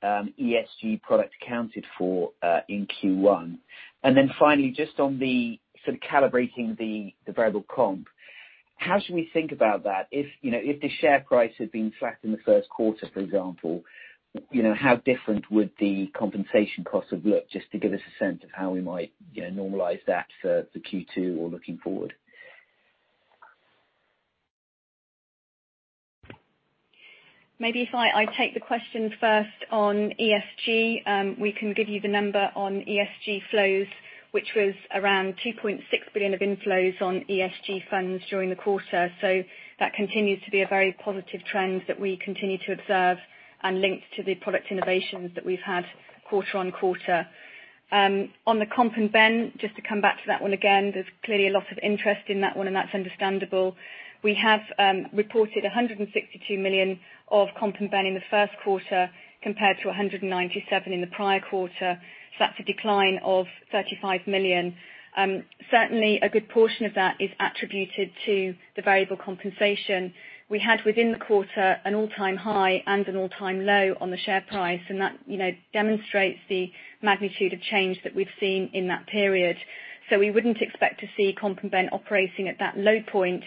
ESG product accounted for in Q1? Finally, just on the sort of calibrating the variable comp, how should we think about that? If the share price had been flat in the first quarter, for example, how different would the compensation cost have looked, just to give us a sense of how we might normalize that for Q2 or looking forward? Maybe if I take the question first on ESG. We can give you the number on ESG flows, which was around 2.6 billion of inflows on ESG funds during the quarter. That continues to be a very positive trend that we continue to observe and linked to the product innovations that we've had quarter-on-quarter. On the comp and ben, just to come back to that one again, there's clearly a lot of interest in that one, and that's understandable. We have reported 162 million of comp and ben in the first quarter, compared to 197 million in the prior quarter. That's a decline of 35 million. Certainly, a good portion of that is attributed to the variable compensation. We had within the quarter an all-time high and an all-time low on the share price, and that demonstrates the magnitude of change that we've seen in that period. We wouldn't expect to see comp and ben operating at that low point.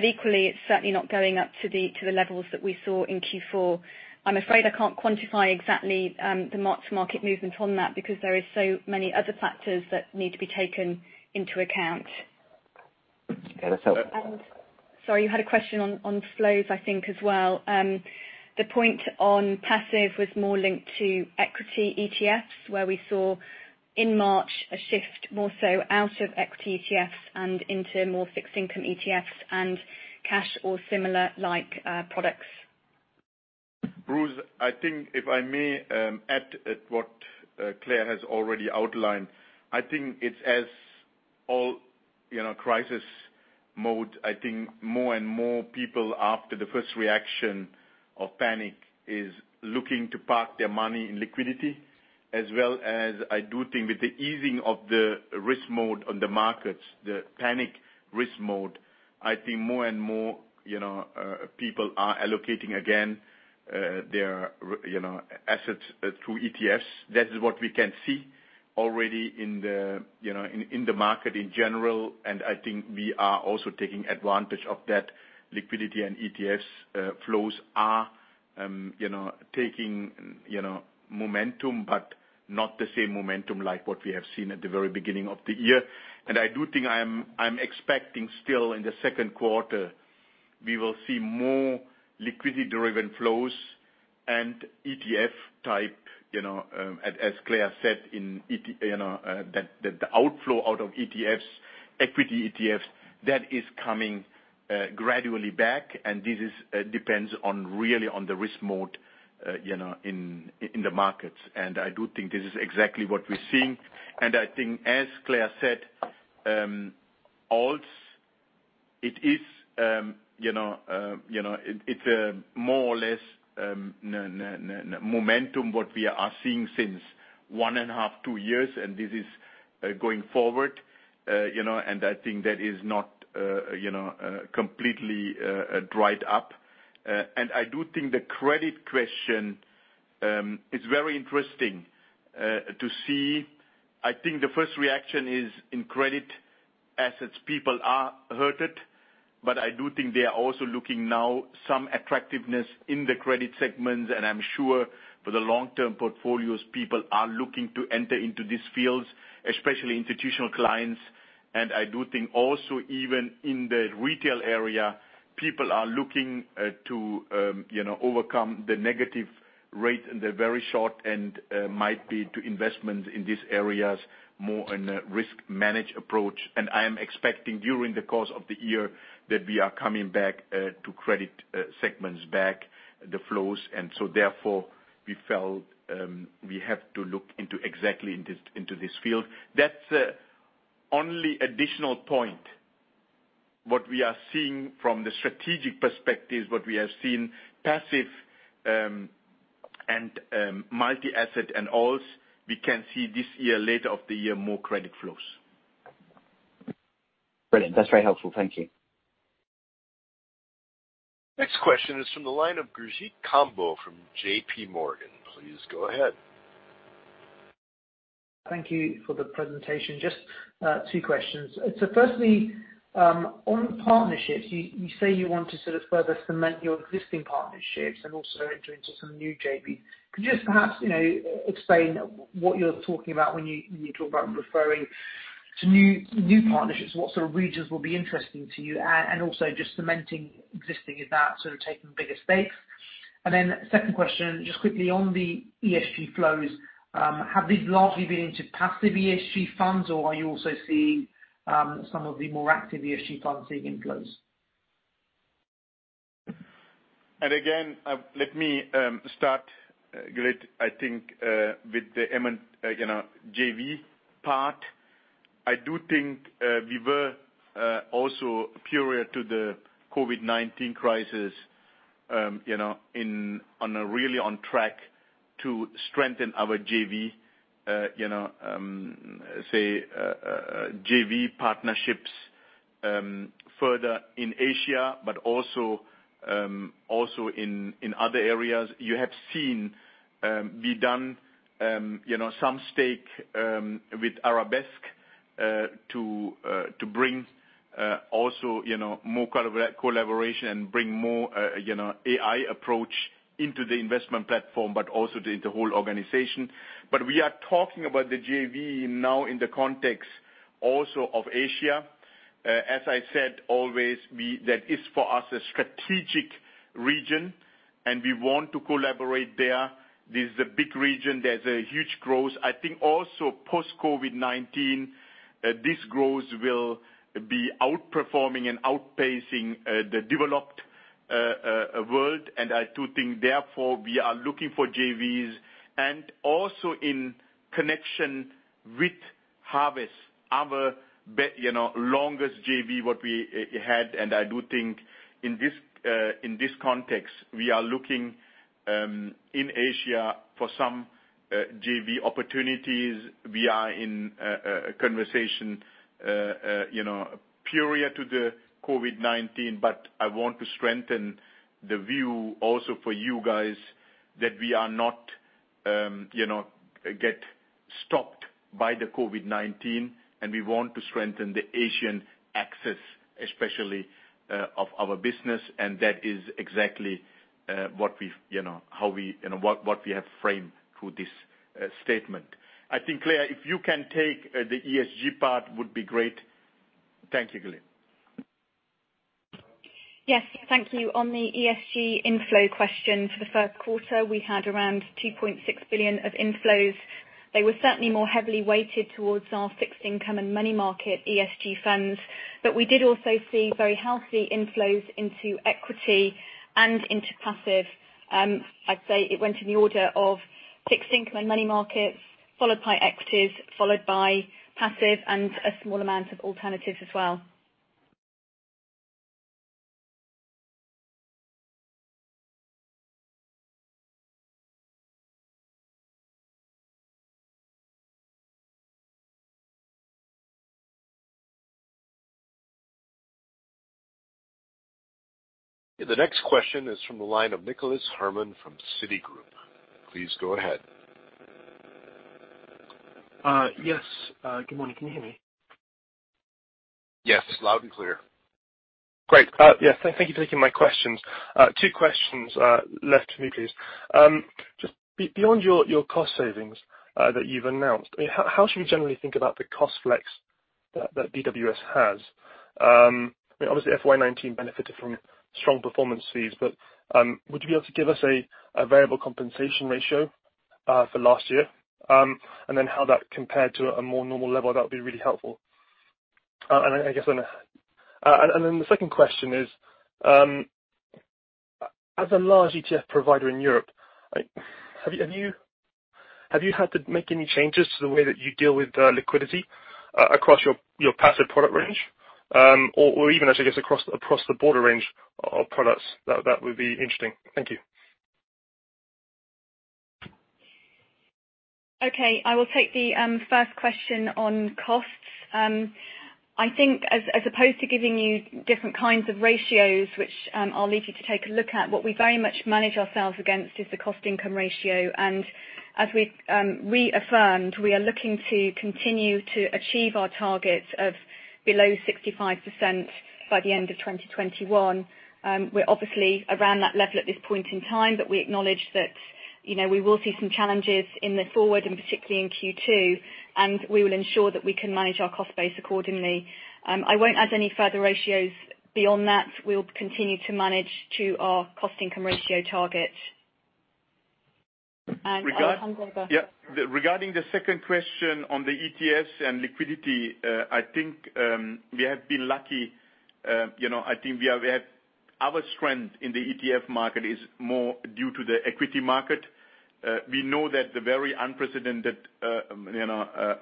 Equally, it's certainly not going up to the levels that we saw in Q4. I'm afraid I can't quantify exactly the mark-to-market movement on that because there is so many other factors that need to be taken into account. Yeah, that's helpful. Sorry, you had a question on flows, I think, as well. The point on passive was more linked to equity ETFs, where we saw in March a shift more so out of equity ETFs and into more fixed income ETFs and cash or similar like products. Bruce, I think if I may add at what Claire has already outlined, I think it's as all crisis mode, I think more and more people after the first reaction of panic is looking to park their money in liquidity as well as I do think with the easing of the risk mode on the markets, the panic risk mode, I think more and more people are allocating again their assets through ETFs. That is what we can see already in the market in general, and I think we are also taking advantage of that. Liquidity and ETFs flows are taking momentum, but not the same momentum like what we have seen at the very beginning of the year. I do think I'm expecting still in the second quarter, we will see more liquidity-driven flows and ETF type, as Claire said, that the outflow out of ETFs, equity ETFs, that is coming gradually back. This depends on really on the risk mode in the markets. I do think this is exactly what we're seeing. I think as Claire said, alts, it's more or less momentum, what we are seeing since 1.5, two years, and this is going forward. I think that is not completely dried up. I do think the credit question is very interesting to see. I think the first reaction is in credit assets, people are hurted, but I do think they are also looking now some attractiveness in the credit segments, and I'm sure for the long-term portfolios, people are looking to enter into these fields, especially institutional clients. I do think also even in the retail area, people are looking to overcome the negative rate in the very short and might be to investment in these areas more in a risk manage approach. I am expecting during the course of the year that we are coming back to credit segments back the flows. Therefore we felt we have to look into exactly into this field. That's only additional point. What we are seeing from the strategic perspective is what we have seen passive and multi-asset and alts, we can see this year, later of the year, more credit flows. Brilliant. That's very helpful. Thank you. Next question is from the line of Gurjit Kambo from JPMorgan. Please go ahead. Thank you for the presentation. Just two questions. Firstly, on partnerships, you say you want to sort of further cement your existing partnerships and also enter into some new JV. Could you just perhaps explain what you're talking about when you talk about referring to new partnerships? What sort of regions will be interesting to you? Also just cementing existing, is that sort of taking bigger stakes? Second question, just quickly on the ESG flows, have these largely been into passive ESG funds, or are you also seeing some of the more active ESG funds seeing inflows? Again, let me start, Gurjit, I think with the JV part. I do think we were also prior to the COVID-19 crisis really on track to strengthen our JV partnerships further in Asia, but also in other areas. You have seen we done some stake with Arabesque to bring also more collaboration and bring more AI approach into the investment platform, but also into the whole organization. We are talking about the JV now in the context also of Asia. As I said, always, that is for us a strategic region, and we want to collaborate there. This is a big region. There's a huge growth. I think also post-COVID-19, this growth will be outperforming and outpacing the developed world. I do think, therefore, we are looking for JVs and also in connection with Harvest, our longest JV, what we had. I do think in this context, we are looking in Asia for some JV opportunities. We are in conversation prior to the COVID-19, I want to strengthen the view also for you guys that we are not get stopped by the COVID-19. We want to strengthen the Asian axis, especially of our business. That is exactly what we have framed through this statement. I think, Claire, if you can take the ESG part would be great. Thank you, Gurjit. Yes, thank you. On the ESG inflow question, for the first quarter, we had around 2.6 billion of inflows. They were certainly more heavily weighted towards our fixed income and money market ESG funds. We did also see very healthy inflows into equity and into passive. I'd say it went in the order of fixed income and money markets, followed by equities, followed by passive, and a small amount of alternatives as well. The next question is from the line of Nicholas Herman from Citigroup. Please go ahead. Yes. Good morning. Can you hear me? Yes. Loud and clear. Great. Yes. Thank you for taking my questions. Two questions left for me, please. Just beyond your cost savings that you've announced, how should we generally think about the cost flex that DWS has? Obviously, FY 2019 benefited from strong performance fees, but would you be able to give us a variable compensation ratio for last year? How that compared to a more normal level? That would be really helpful. The second question is, as a large ETF provider in Europe, have you had to make any changes to the way that you deal with liquidity across your passive product range? Even, I guess, across the broader range of products, that would be interesting. Thank you. Okay. I will take the first question on costs. I think as opposed to giving you different kinds of ratios, which I'll leave you to take a look at, what we very much manage ourselves against is the cost income ratio. As we reaffirmed, we are looking to continue to achieve our targets of below 65% by the end of 2021. We're obviously around that level at this point in time, but we acknowledge that we will see some challenges in the forward, and particularly in Q2, and we will ensure that we can manage our cost base accordingly. I won't add any further ratios beyond that. We'll continue to manage to our cost income ratio target. Regarding- Go ahead. Yeah. Regarding the second question on the ETFs and liquidity, I think we have been lucky. I think our strength in the ETF market is more due to the equity market. We know that the very unprecedented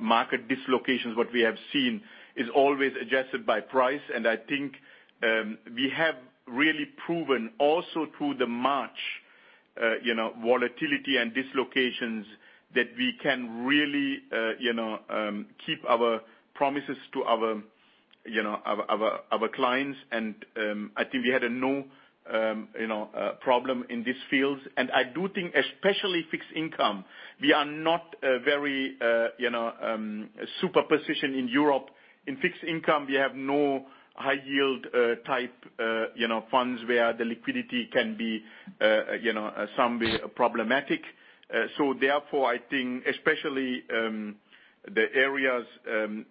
market dislocations, what we have seen, is always adjusted by price. I think we have really proven also through the March volatility and dislocations that we can really keep our promises to our clients. I think we had no problem in this field. I do think, especially fixed income, we are not very super positioned in Europe. In fixed income, we have no high yield type funds where the liquidity can be somewhere problematic. Therefore, I think especially the areas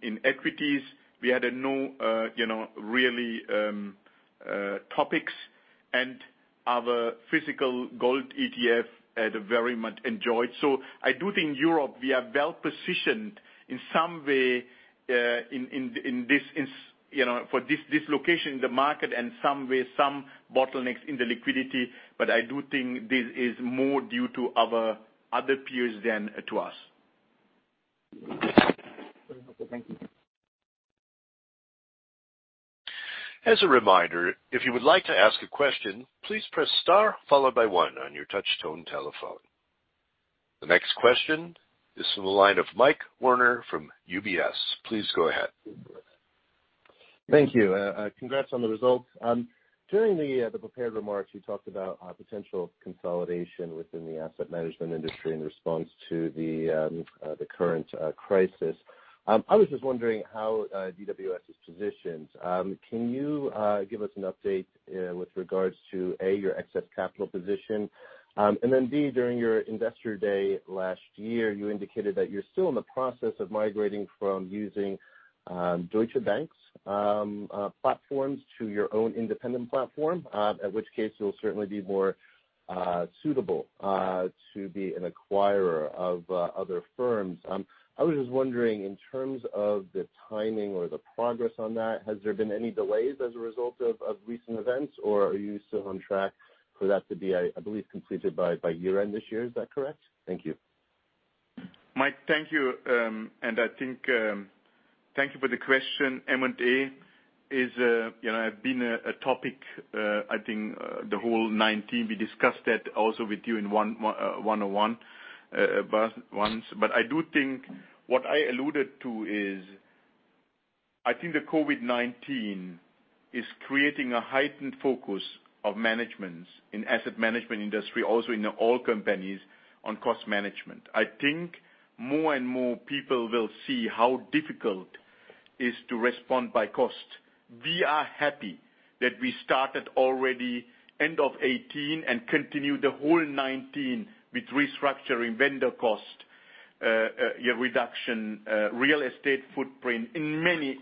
in equities, we had no really topics, and our physical gold ETF had very much enjoyed. I do think Europe, we are well-positioned in some way for this dislocation in the market and some way, some bottlenecks in the liquidity. I do think this is more due to our other peers than to us. Very helpful. Thank you. As a reminder, if you would like to ask a question, please press star followed by one on your touch-tone telephone. The next question is from the line of Mike Werner from UBS. Please go ahead. Thank you. Congrats on the results. During the prepared remarks, you talked about potential consolidation within the asset management industry in response to the current crisis. I was just wondering how DWS is positioned. Can you give us an update with regards to, A, your excess capital position? And then, B, during your investor day last year, you indicated that you're still in the process of migrating from using Deutsche Bank's platforms to your own independent platform, at which case you'll certainly be more suitable to be an acquirer of other firms. I was just wondering, in terms of the timing or the progress on that, has there been any delays as a result of recent events, or are you still on track for that to be, I believe, completed by year-end this year? Is that correct? Thank you. Mike, thank you. Thank you for the question. M&A have been a topic I think the whole 2019. We discussed that also with you in one-on-one once. I do think what I alluded to is, I think the COVID-19 is creating a heightened focus of management in asset management industry, also in all companies on cost management. I think more and more people will see how difficult is to respond by cost. We are happy that we started already end of 2018 and continued the whole 2019 with restructuring vendor cost reduction real estate footprint in many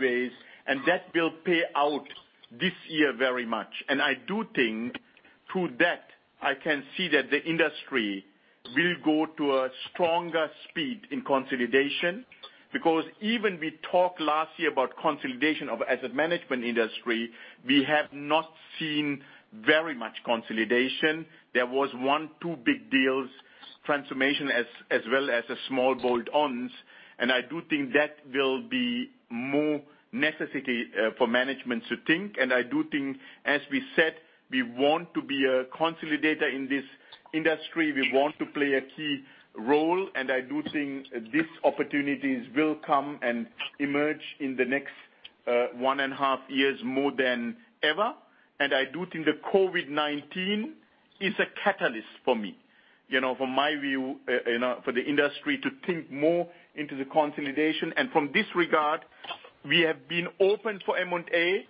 ways. That will pay out this year very much. I do think to that, I can see that the industry will go to a stronger speed in consolidation, because even we talked last year about consolidation of asset management industry, we have not seen very much consolidation. There was one, two big deals, transformation, as well as a small bolt-ons. I do think that will be more necessity for management to think. I do think, as we said, we want to be a consolidator in this industry. We want to play a key role. I do think these opportunities will come and emerge in the next 1.5 years more than ever. I do think the COVID-19 is a catalyst for me, from my view, for the industry to think more into the consolidation. From this regard, we have been open for M&A,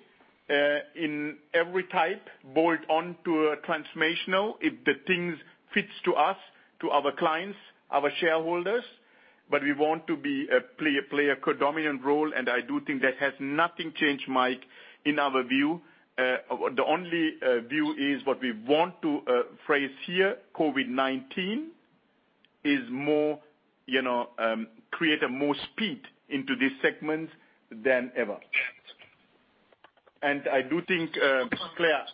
in every type, bolt-on to a transformational, if the things fits to us, to our clients, our shareholders. We want to play a predominant role. I do think that has nothing changed, Mike, in our view. The only view is what we want to phrase here, COVID-19 is create a more speed into this segment than ever. I do think, Claire.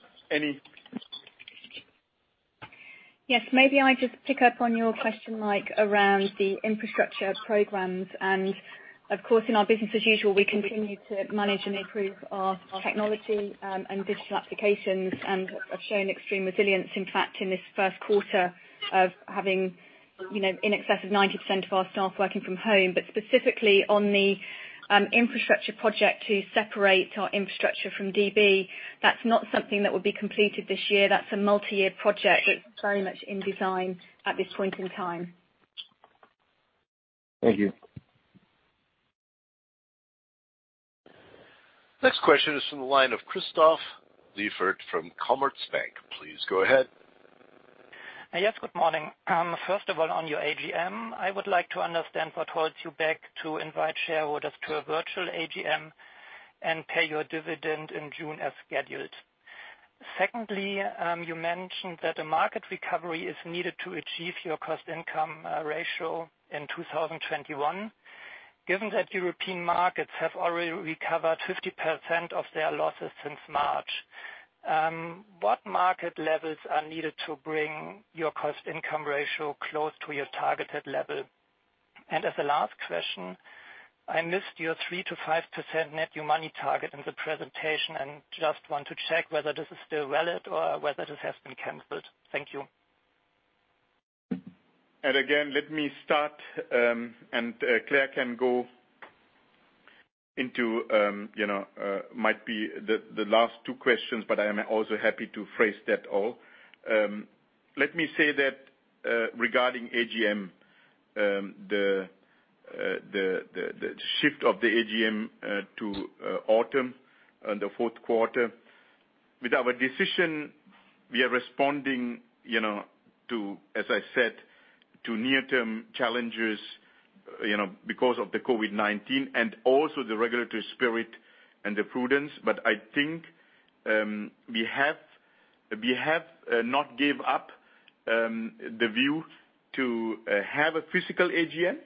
Yes. Maybe I just pick up on your question, Mike, around the infrastructure programs. Of course, in our business as usual, we continue to manage and improve our technology and digital applications. Have shown extreme resilience, in fact, in this first quarter of having in excess of 90% of our staff working from home, but specifically on the infrastructure project to separate our infrastructure from DB. That's not something that would be completed this year. That's a multi-year project that's very much in design at this point in time. Thank you. Next question is from the line of Christoph Blieffert from Commerzbank. Please go ahead. Yes, good morning. First of all, on your AGM, I would like to understand what holds you back to invite shareholders to a virtual AGM and pay your dividend in June as scheduled. Secondly, you mentioned that a market recovery is needed to achieve your cost income ratio in 2021. Given that European markets have already recovered 50% of their losses since March, what market levels are needed to bring your cost income ratio close to your targeted level? As a last question, I missed your 3%-5% net new money target in the presentation, and just want to check whether this is still valid or whether this has been canceled. Thank you. Again, let me start, and Claire can go into might be the last two questions, but I am also happy to phrase that all. Let me say that regarding AGM, the shift of the AGM to autumn, the fourth quarter. With our decision, we are responding, as I said, to near-term challenges because of the COVID-19 and also the regulatory spirit and the prudence. I think we have not gave up the view to have a physical AGM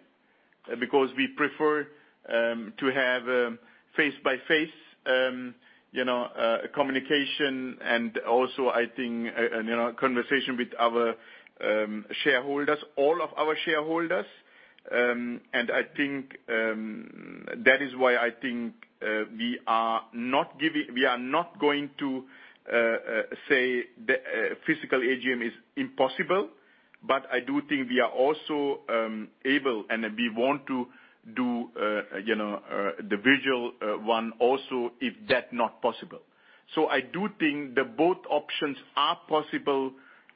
because we prefer to have face-to-face communication and also, I think, conversation with our shareholders, all of our shareholders. That is why I think we are not going to say the physical AGM is impossible, but I do think we are also able, and we want to do the virtual one also, if that not possible. I do think that both options are possible,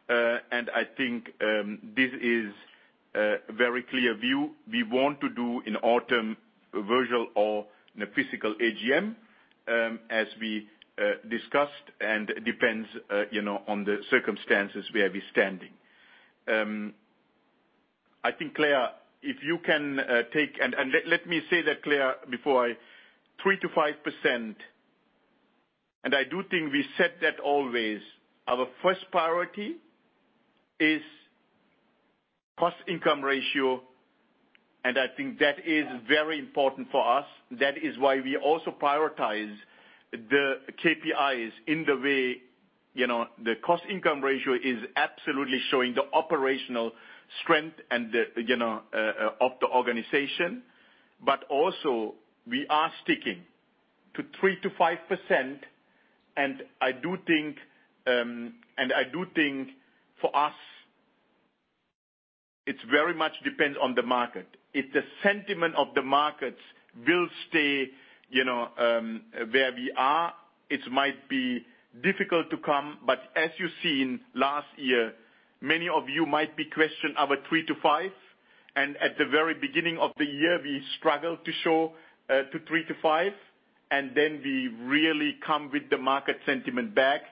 and I think this is a very clear view. We want to do in autumn virtual or physical AGM, as we discussed, and depends on the circumstances where we're standing. I think, Claire, if you can take. Let me say that, Claire, 3%-5%. I do think we said that always, our first priority is cost income ratio. I think that is very important for us. That is why we also prioritize the KPIs in the way the cost income ratio is absolutely showing the operational strength of the organization. Also we are sticking to 3%-5%. I do think for us, it very much depends on the market. If the sentiment of the markets will stay where we are, it might be difficult to come. As you seen last year, many of you might be questioned our 3%-5%. At the very beginning of the year, we struggled to show to 3%-5%, then we really come with the market sentiment back.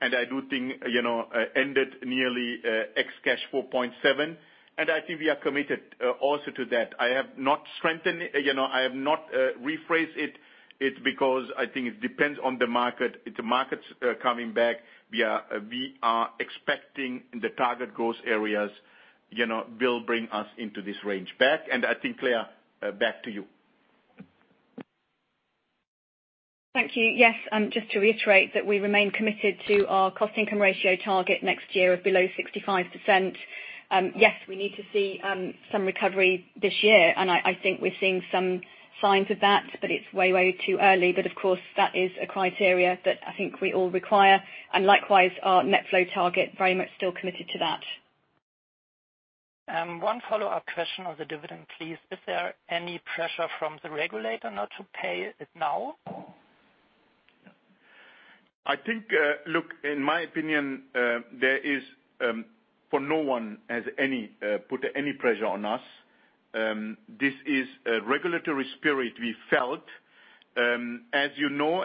I do think ended nearly ex cash 4.7, and I think we are committed also to that. I have not rephrased it. It's because I think it depends on the market. If the markets are coming back, we are expecting the target growth areas will bring us into this range. Back. I think, Claire, back to you. Thank you. Just to reiterate that we remain committed to our cost income ratio target next year of below 65%. We need to see some recovery this year, and I think we're seeing some signs of that, but it's way too early. Of course, that is a criteria that I think we all require. Likewise, our net flow target, very much still committed to that. One follow-up question on the dividend, please. Is there any pressure from the regulator not to pay it now? Look, in my opinion, no one has put any pressure on us. This is a regulatory spirit we felt. As you know,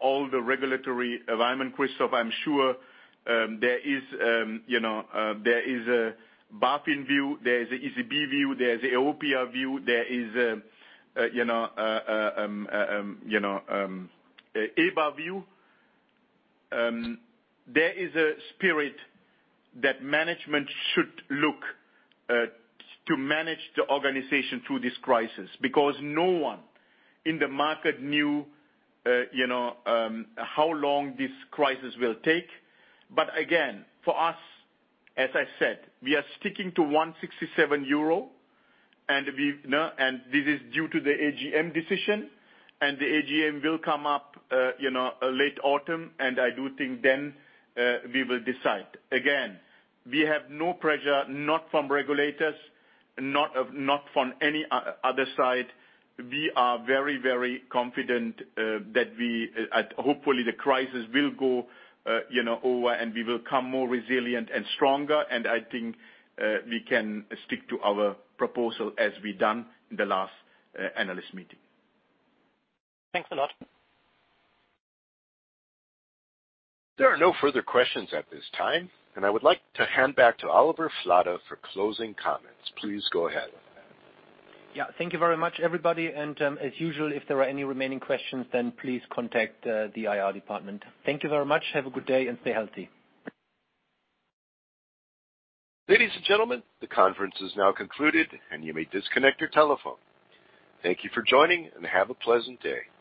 all the regulatory environment, Christoph, I'm sure, there is a BaFin view, there is a ECB view, there is an ESMA view, there is an EBA view. There is a spirit that management should look to manage the organization through this crisis because no one in the market knew how long this crisis will take. Again, for us, as I said, we are sticking to 1.67 euro and this is due to the AGM decision, and the AGM will come up late autumn, and I do think then we will decide. Again, we have no pressure, not from regulators, not from any other side. We are very, very confident that hopefully the crisis will go over, and we will come more resilient and stronger. I think we can stick to our proposal as we've done in the last analyst meeting. Thanks a lot. There are no further questions at this time, and I would like to hand back to Oliver Flade for closing comments. Please go ahead. Yeah. Thank you very much, everybody. As usual, if there are any remaining questions, please contact the IR department. Thank you very much. Have a good day and stay healthy. Ladies and gentlemen, the conference is now concluded, and you may disconnect your telephone. Thank you for joining and have a pleasant day. Goodbye.